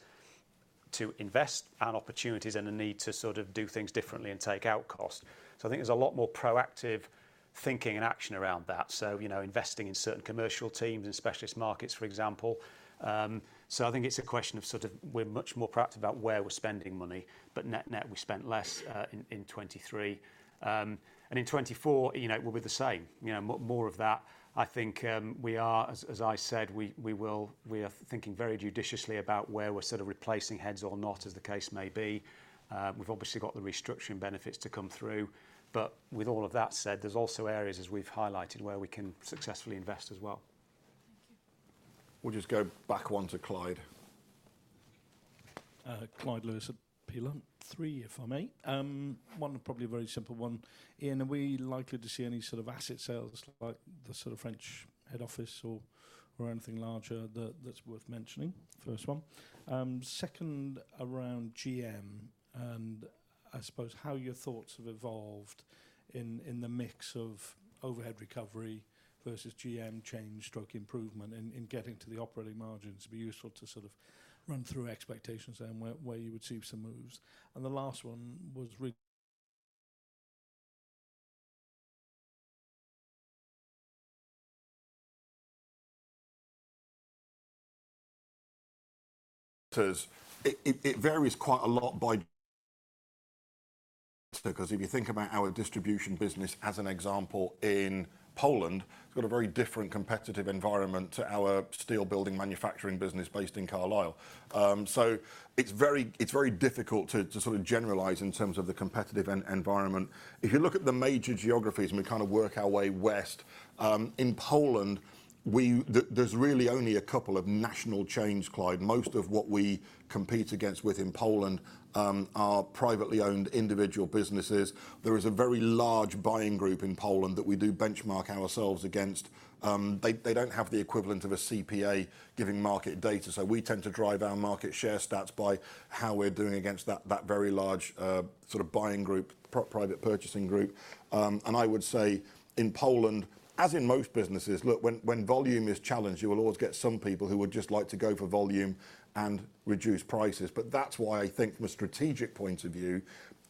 to invest and opportunities and a need to sort of do things differently and take out cost. So I think there's a lot more proactive thinking and action around that, so investing in certain commercial teams and Specialist Markets, for example. So I think it's a question of sort of we're much more proactive about where we're spending money. But net-net, we spent less in 2023. In 2024, we'll be the same, more of that. I think we are, as I said, we are thinking very judiciously about where we're sort of replacing heads or not, as the case may be. We've obviously got the restructuring benefits to come through. But with all of that said, there's also areas, as we've highlighted, where we can successfully invest as well. Thank you. We'll just go back on to Clyde. Clyde Lewis at Peel Hunt, if I may. One, probably a very simple one. Ian, are we likely to see any sort of asset sales like the sort of French head office or anything larger that's worth mentioning? First one. Second, around GM. I suppose how your thoughts have evolved in the mix of overhead recovery versus GM change/improvement in getting to the operating margins to be useful to sort of run through expectations and where you would see some moves. The last one was really. It varies quite a lot by sector. Because if you think about our distribution business, as an example, in Poland, it's got a very different competitive environment to our steel building manufacturing business based in Carlisle. So it's very difficult to sort of generalize in terms of the competitive environment. If you look at the major geographies and we kind of work our way west, in Poland, there's really only a couple of national chains, Clyde. Most of what we compete against within Poland are privately owned individual businesses. There is a very large buying group in Poland that we do benchmark ourselves against. They don't have the equivalent of a CPA giving market data. So we tend to drive our market share stats by how we're doing against that very large sort of buying group, private purchasing group. And I would say in Poland, as in most businesses, look, when volume is challenged, you will always get some people who would just like to go for volume and reduce prices. But that's why I think from a strategic point of view,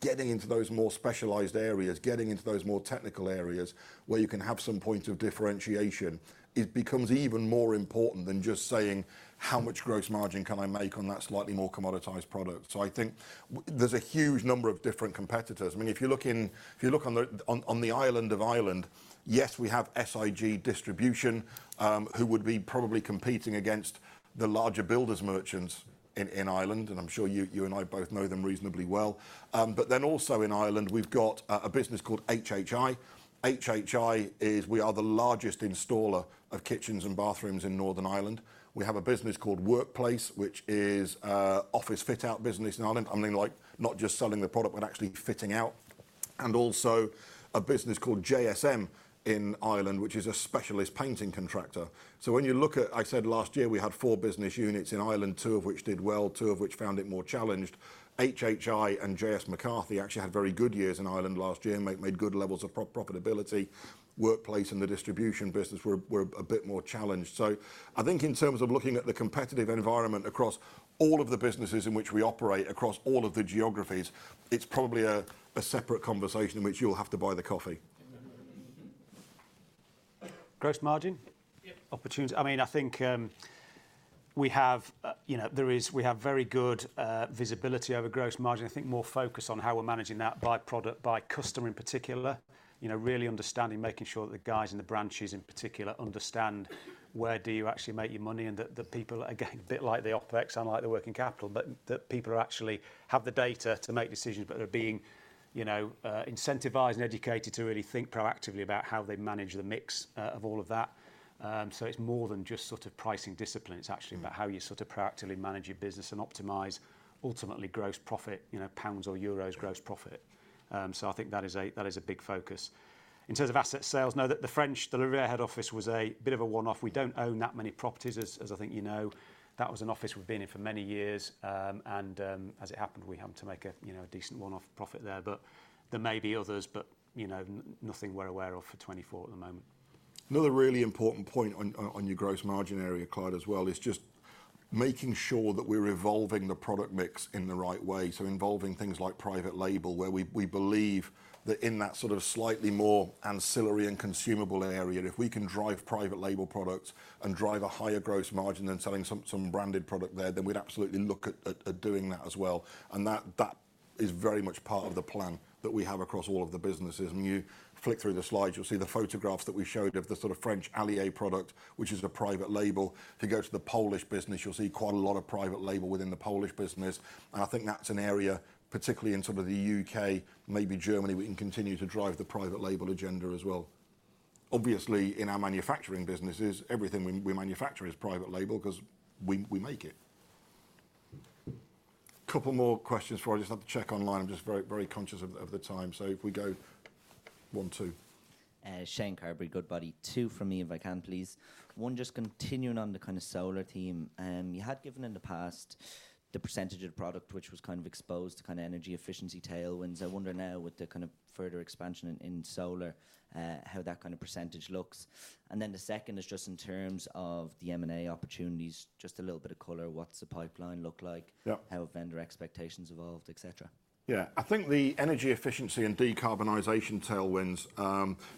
getting into those more specialized areas, getting into those more technical areas where you can have some points of differentiation becomes even more important than just saying, "How much gross margin can I make on that slightly more commoditized product?" So I think there's a huge number of different competitors. I mean, if you look on the island of Ireland, yes, we have SIG Distribution, who would be probably competing against the larger builders' merchants in Ireland. And I'm sure you and I both know them reasonably well. But then also in Ireland, we've got a business called HHI. HHI is, we are the largest installer of kitchens and bathrooms in Northern Ireland. We have a business called Workplace, which is an office fit-out business in Ireland. I mean, not just selling the product, but actually fitting out. And also a business called JS McCarthy in Ireland, which is a specialist painting contractor. So when you look at, I said last year, we had four business units in Ireland, two of which did well, two of which found it more challenged. HHI and JS McCarthy actually had very good years in Ireland last year, made good levels of profitability. Workplace and the distribution business were a bit more challenged. So I think in terms of looking at the competitive environment across all of the businesses in which we operate, across all of the geographies, it's probably a separate conversation in which you'll have to buy the coffee. Gross margin? Yep. Opportunities? I mean, I think we have very good visibility over gross margin. I think more focus on how we're managing that by product, by customer in particular, really understanding, making sure that the guys in the branches in particular understand where do you actually make your money. And that people are getting a bit like the OPEX, unlike the working capital, but that people actually have the data to make decisions. But they're being incentivized and educated to really think proactively about how they manage the mix of all of that. So it's more than just sort of pricing discipline. It's actually about how you sort of proactively manage your business and optimize ultimately gross profit, pounds or euros, gross profit. So I think that is a big focus. In terms of asset sales, know that the French, the La Rivière head office was a bit of a one-off. We don't own that many properties, as I think you know. That was an office we've been in for many years. As it happened, we happened to make a decent one-off profit there. But there may be others. Nothing we're aware of for 2024 at the moment. Another really important point on your gross margin area, Clyde, as well is just making sure that we're evolving the product mix in the right way. So involving things like private label, where we believe that in that sort of slightly more ancillary and consumable area, if we can drive private label products and drive a higher gross margin than selling some branded product there, then we'd absolutely look at doing that as well. That is very much part of the plan that we have across all of the businesses. I mean, you flick through the slides, you'll see the photographs that we showed of the sort of French Allier product, which is a private label. If you go to the Polish business, you'll see quite a lot of private label within the Polish business. And I think that's an area, particularly in sort of the UK, maybe Germany, we can continue to drive the private label agenda as well. Obviously, in our manufacturing businesses, everything we manufacture is private label because we make it. Couple more questions for us. I just have to check online. I'm just very conscious of the time. So if we go 1, 2. Shane Carberry, Goodbody. Two from me, if I can, please. One, just continuing on the kind of solar team. You had given in the past the percentage of the product, which was kind of exposed to kind of energy efficiency tailwinds. I wonder now with the kind of further expansion in solar, how that kind of percentage looks. And then the second is just in terms of the M&A opportunities, just a little bit of color, what's the pipeline look like, how vendor expectations evolved, et cetera. Yeah. I think the energy efficiency and decarbonization tailwinds,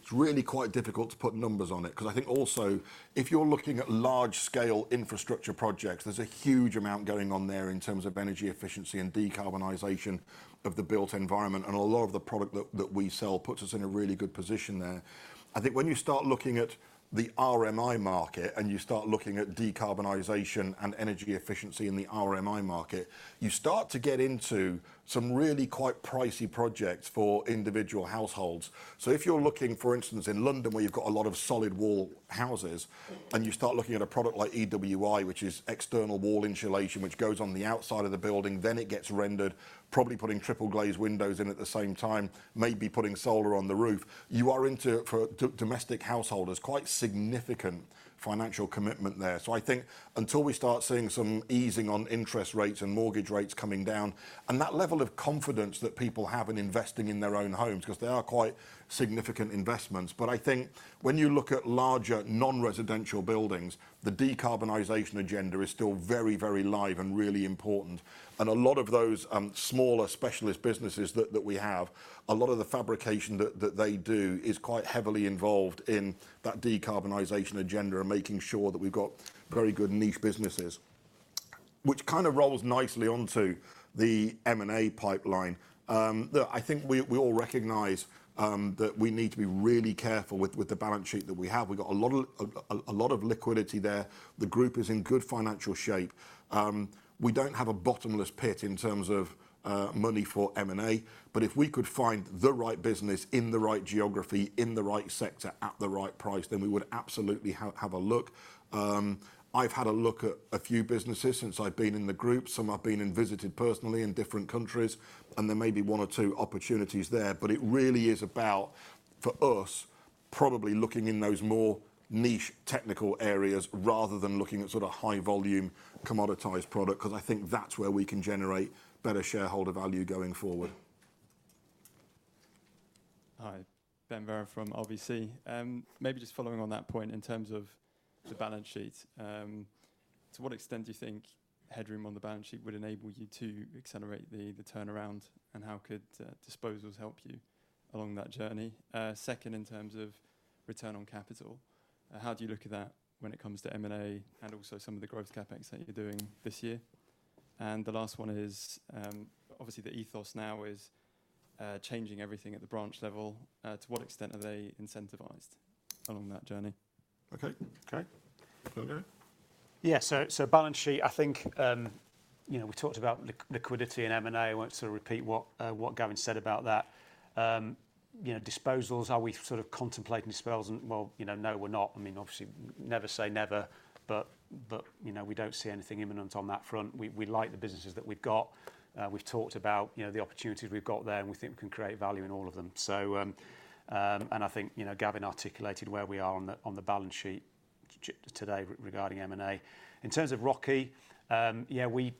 it's really quite difficult to put numbers on it. Because I think also, if you're looking at large-scale infrastructure projects, there's a huge amount going on there in terms of energy efficiency and decarbonization of the built environment. And a lot of the product that we sell puts us in a really good position there. I think when you start looking at the RMI market and you start looking at decarbonization and energy efficiency in the RMI market, you start to get into some really quite pricey projects for individual households. So if you're looking, for instance, in London, where you've got a lot of solid-wall houses, and you start looking at a product like EWI, which is external wall insulation, which goes on the outside of the building, then it gets rendered, probably putting triple-glazed windows in at the same time, maybe putting solar on the roof, you are into, for domestic householders, quite significant financial commitment there. So I think until we start seeing some easing on interest rates and mortgage rates coming down and that level of confidence that people have in investing in their own homes, because they are quite significant investments. But I think when you look at larger non-residential buildings, the decarbonization agenda is still very, very live and really important. A lot of those smaller specialist businesses that we have, a lot of the fabrication that they do is quite heavily involved in that decarbonization agenda and making sure that we've got very good niche businesses, which kind of rolls nicely onto the M&A pipeline. I think we all recognize that we need to be really careful with the balance sheet that we have. We've got a lot of liquidity there. The group is in good financial shape. We don't have a bottomless pit in terms of money for M&A. But if we could find the right business in the right geography, in the right sector, at the right price, then we would absolutely have a look. I've had a look at a few businesses since I've been in the group. Some I've been in, visited personally in different countries. There may be one or two opportunities there. It really is about, for us, probably looking in those more niche technical areas rather than looking at sort of high-volume commoditized product. Because I think that's where we can generate better shareholder value going forward. Hi. Ben Sheridan from RBC. Maybe just following on that point in terms of the balance sheet. To what extent do you think headroom on the balance sheet would enable you to accelerate the turnaround? And how could disposals help you along that journey? Second, in terms of return on capital, how do you look at that when it comes to M&A and also some of the growth CapEx that you're doing this year? And the last one is, obviously, the ethos now is changing everything at the branch level. To what extent are they incentivized along that journey? OK. OK. Yeah. So balance sheet, I think we talked about liquidity and M&A. I won't sort of repeat what Gavin said about that. Disposals, are we sort of contemplating disposals? Well, no, we're not. I mean, obviously, never say never. But we don't see anything imminent on that front. We like the businesses that we've got. We've talked about the opportunities we've got there. And we think we can create value in all of them. And I think Gavin articulated where we are on the balance sheet today regarding M&A. In terms of ROIC, yeah, we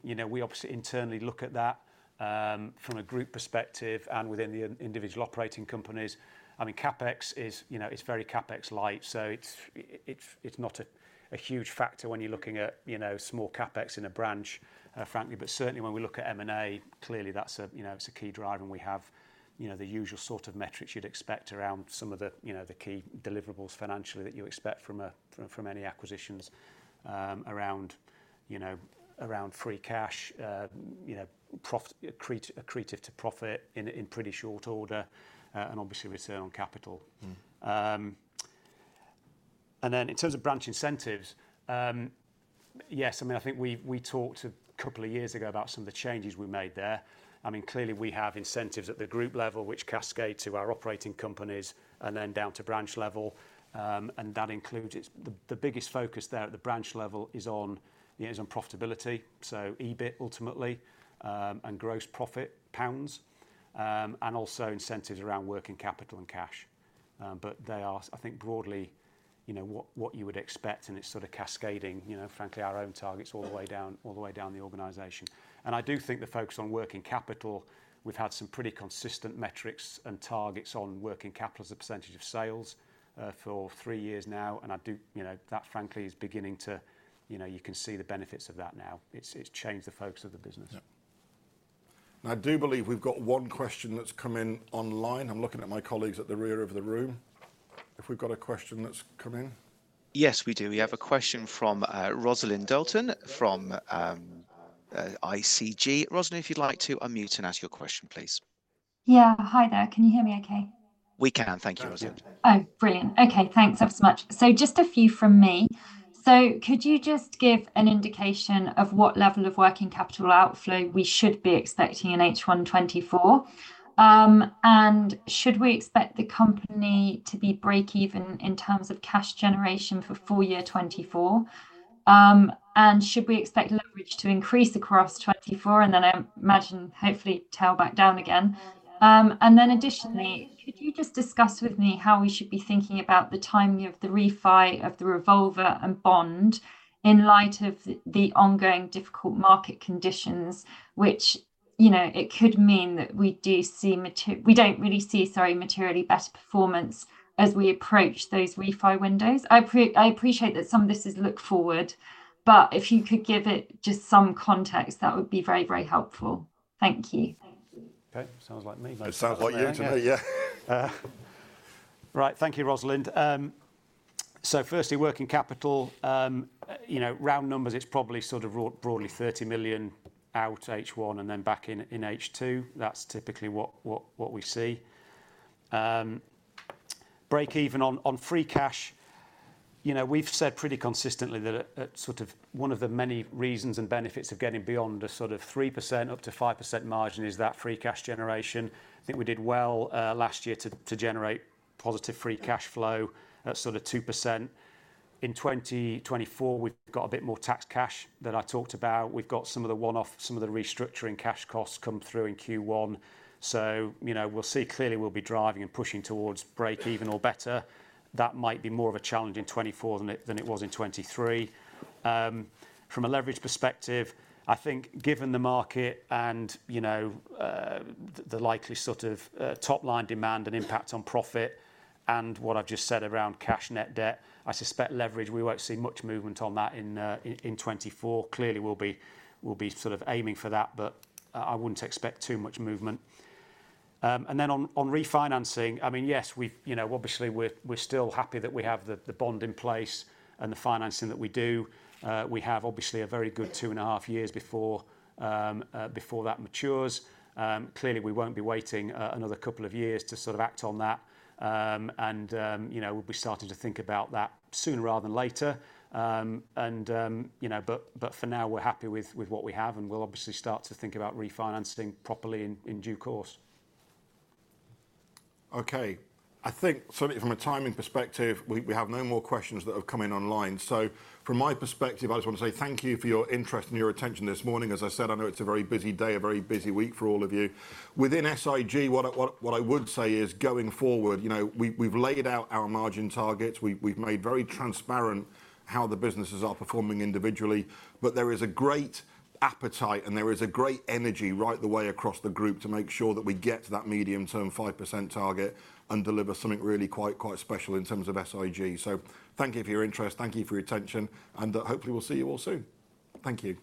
obviously internally look at that from a group perspective and within the individual operating companies. I mean, CapEx is very CapEx-light. So it's not a huge factor when you're looking at small CapEx in a branch, frankly. But certainly, when we look at M&A, clearly, that's a key driver. We have the usual sort of metrics you'd expect around some of the key deliverables financially that you expect from any acquisitions around free cash, accretive to profit in pretty short order, and obviously, return on capital. Then in terms of branch incentives, yes, I mean, I think we talked a couple of years ago about some of the changes we made there. I mean, clearly, we have incentives at the group level, which cascade to our operating companies and then down to branch level. The biggest focus there at the branch level is on profitability, so EBIT ultimately, and gross profit, pounds, and also incentives around working capital and cash. But they are, I think, broadly what you would expect. It's sort of cascading, frankly, our own targets all the way down the organization. I do think the focus on working capital, we've had some pretty consistent metrics and targets on working capital as a percentage of sales for three years now. And that, frankly, is beginning to, you can see, the benefits of that now. It's changed the focus of the business. Yeah. And I do believe we've got one question that's come in online. I'm looking at my colleagues at the rear of the room. If we've got a question that's come in. Yes, we do. We have a question from Rosalind Dalton from ICG. Rosalind, if you'd like to, unmute and ask your question, please. Yeah. Hi there. Can you hear me OK? We can. Thank you, Rosalind. Oh, brilliant. OK. Thanks ever so much. So just a few from me. So could you just give an indication of what level of working capital outflow we should be expecting in H1 2024? And should we expect the company to be break-even in terms of cash generation for full year 2024? And should we expect leverage to increase across 2024? And then I imagine, hopefully, tailback down again. And then additionally, could you just discuss with me how we should be thinking about the timing of the refi of the revolver and bond in light of the ongoing difficult market conditions, which could mean that we don't really see, sorry, materially better performance as we approach those refi windows? I appreciate that some of this is look forward. But if you could give it just some context, that would be very, very helpful. Thank you. Thank you. OK. Sounds like me. It sounds like you to me. Yeah. Right. Thank you, Rosalind. So firstly, working capital, round numbers, it's probably sort of broadly 30 million out H1 and then back in H2. That's typically what we see. Break-even on free cash, we've said pretty consistently that sort of one of the many reasons and benefits of getting beyond a sort of 3%-5% margin is that free cash generation. I think we did well last year to generate positive free cash flow at sort of 2%. In 2024, we've got a bit more tax cash that I talked about. We've got some of the one-off, some of the restructuring cash costs come through in Q1. So we'll see. Clearly, we'll be driving and pushing towards break-even or better. That might be more of a challenge in 2024 than it was in 2023. From a leverage perspective, I think given the market and the likely sort of top-line demand and impact on profit and what I've just said around cash net debt, I suspect leverage, we won't see much movement on that in 2024. Clearly, we'll be sort of aiming for that. But I wouldn't expect too much movement. And then on refinancing, I mean, yes, obviously, we're still happy that we have the bond in place and the financing that we do. We have, obviously, a very good two and a half years before that matures. Clearly, we won't be waiting another couple of years to sort of act on that. And we'll be starting to think about that sooner rather than later. But for now, we're happy with what we have. And we'll obviously start to think about refinancing properly in due course. OK. I think from a timing perspective, we have no more questions that have come in online. So from my perspective, I just want to say thank you for your interest and your attention this morning. As I said, I know it's a very busy day, a very busy week for all of you. Within SIG, what I would say is going forward, we've laid out our margin targets. We've made very transparent how the businesses are performing individually. But there is a great appetite. And there is a great energy right the way across the group to make sure that we get to that medium-term 5% target and deliver something really quite special in terms of SIG. So thank you for your interest. Thank you for your attention. And hopefully, we'll see you all soon. Thank you.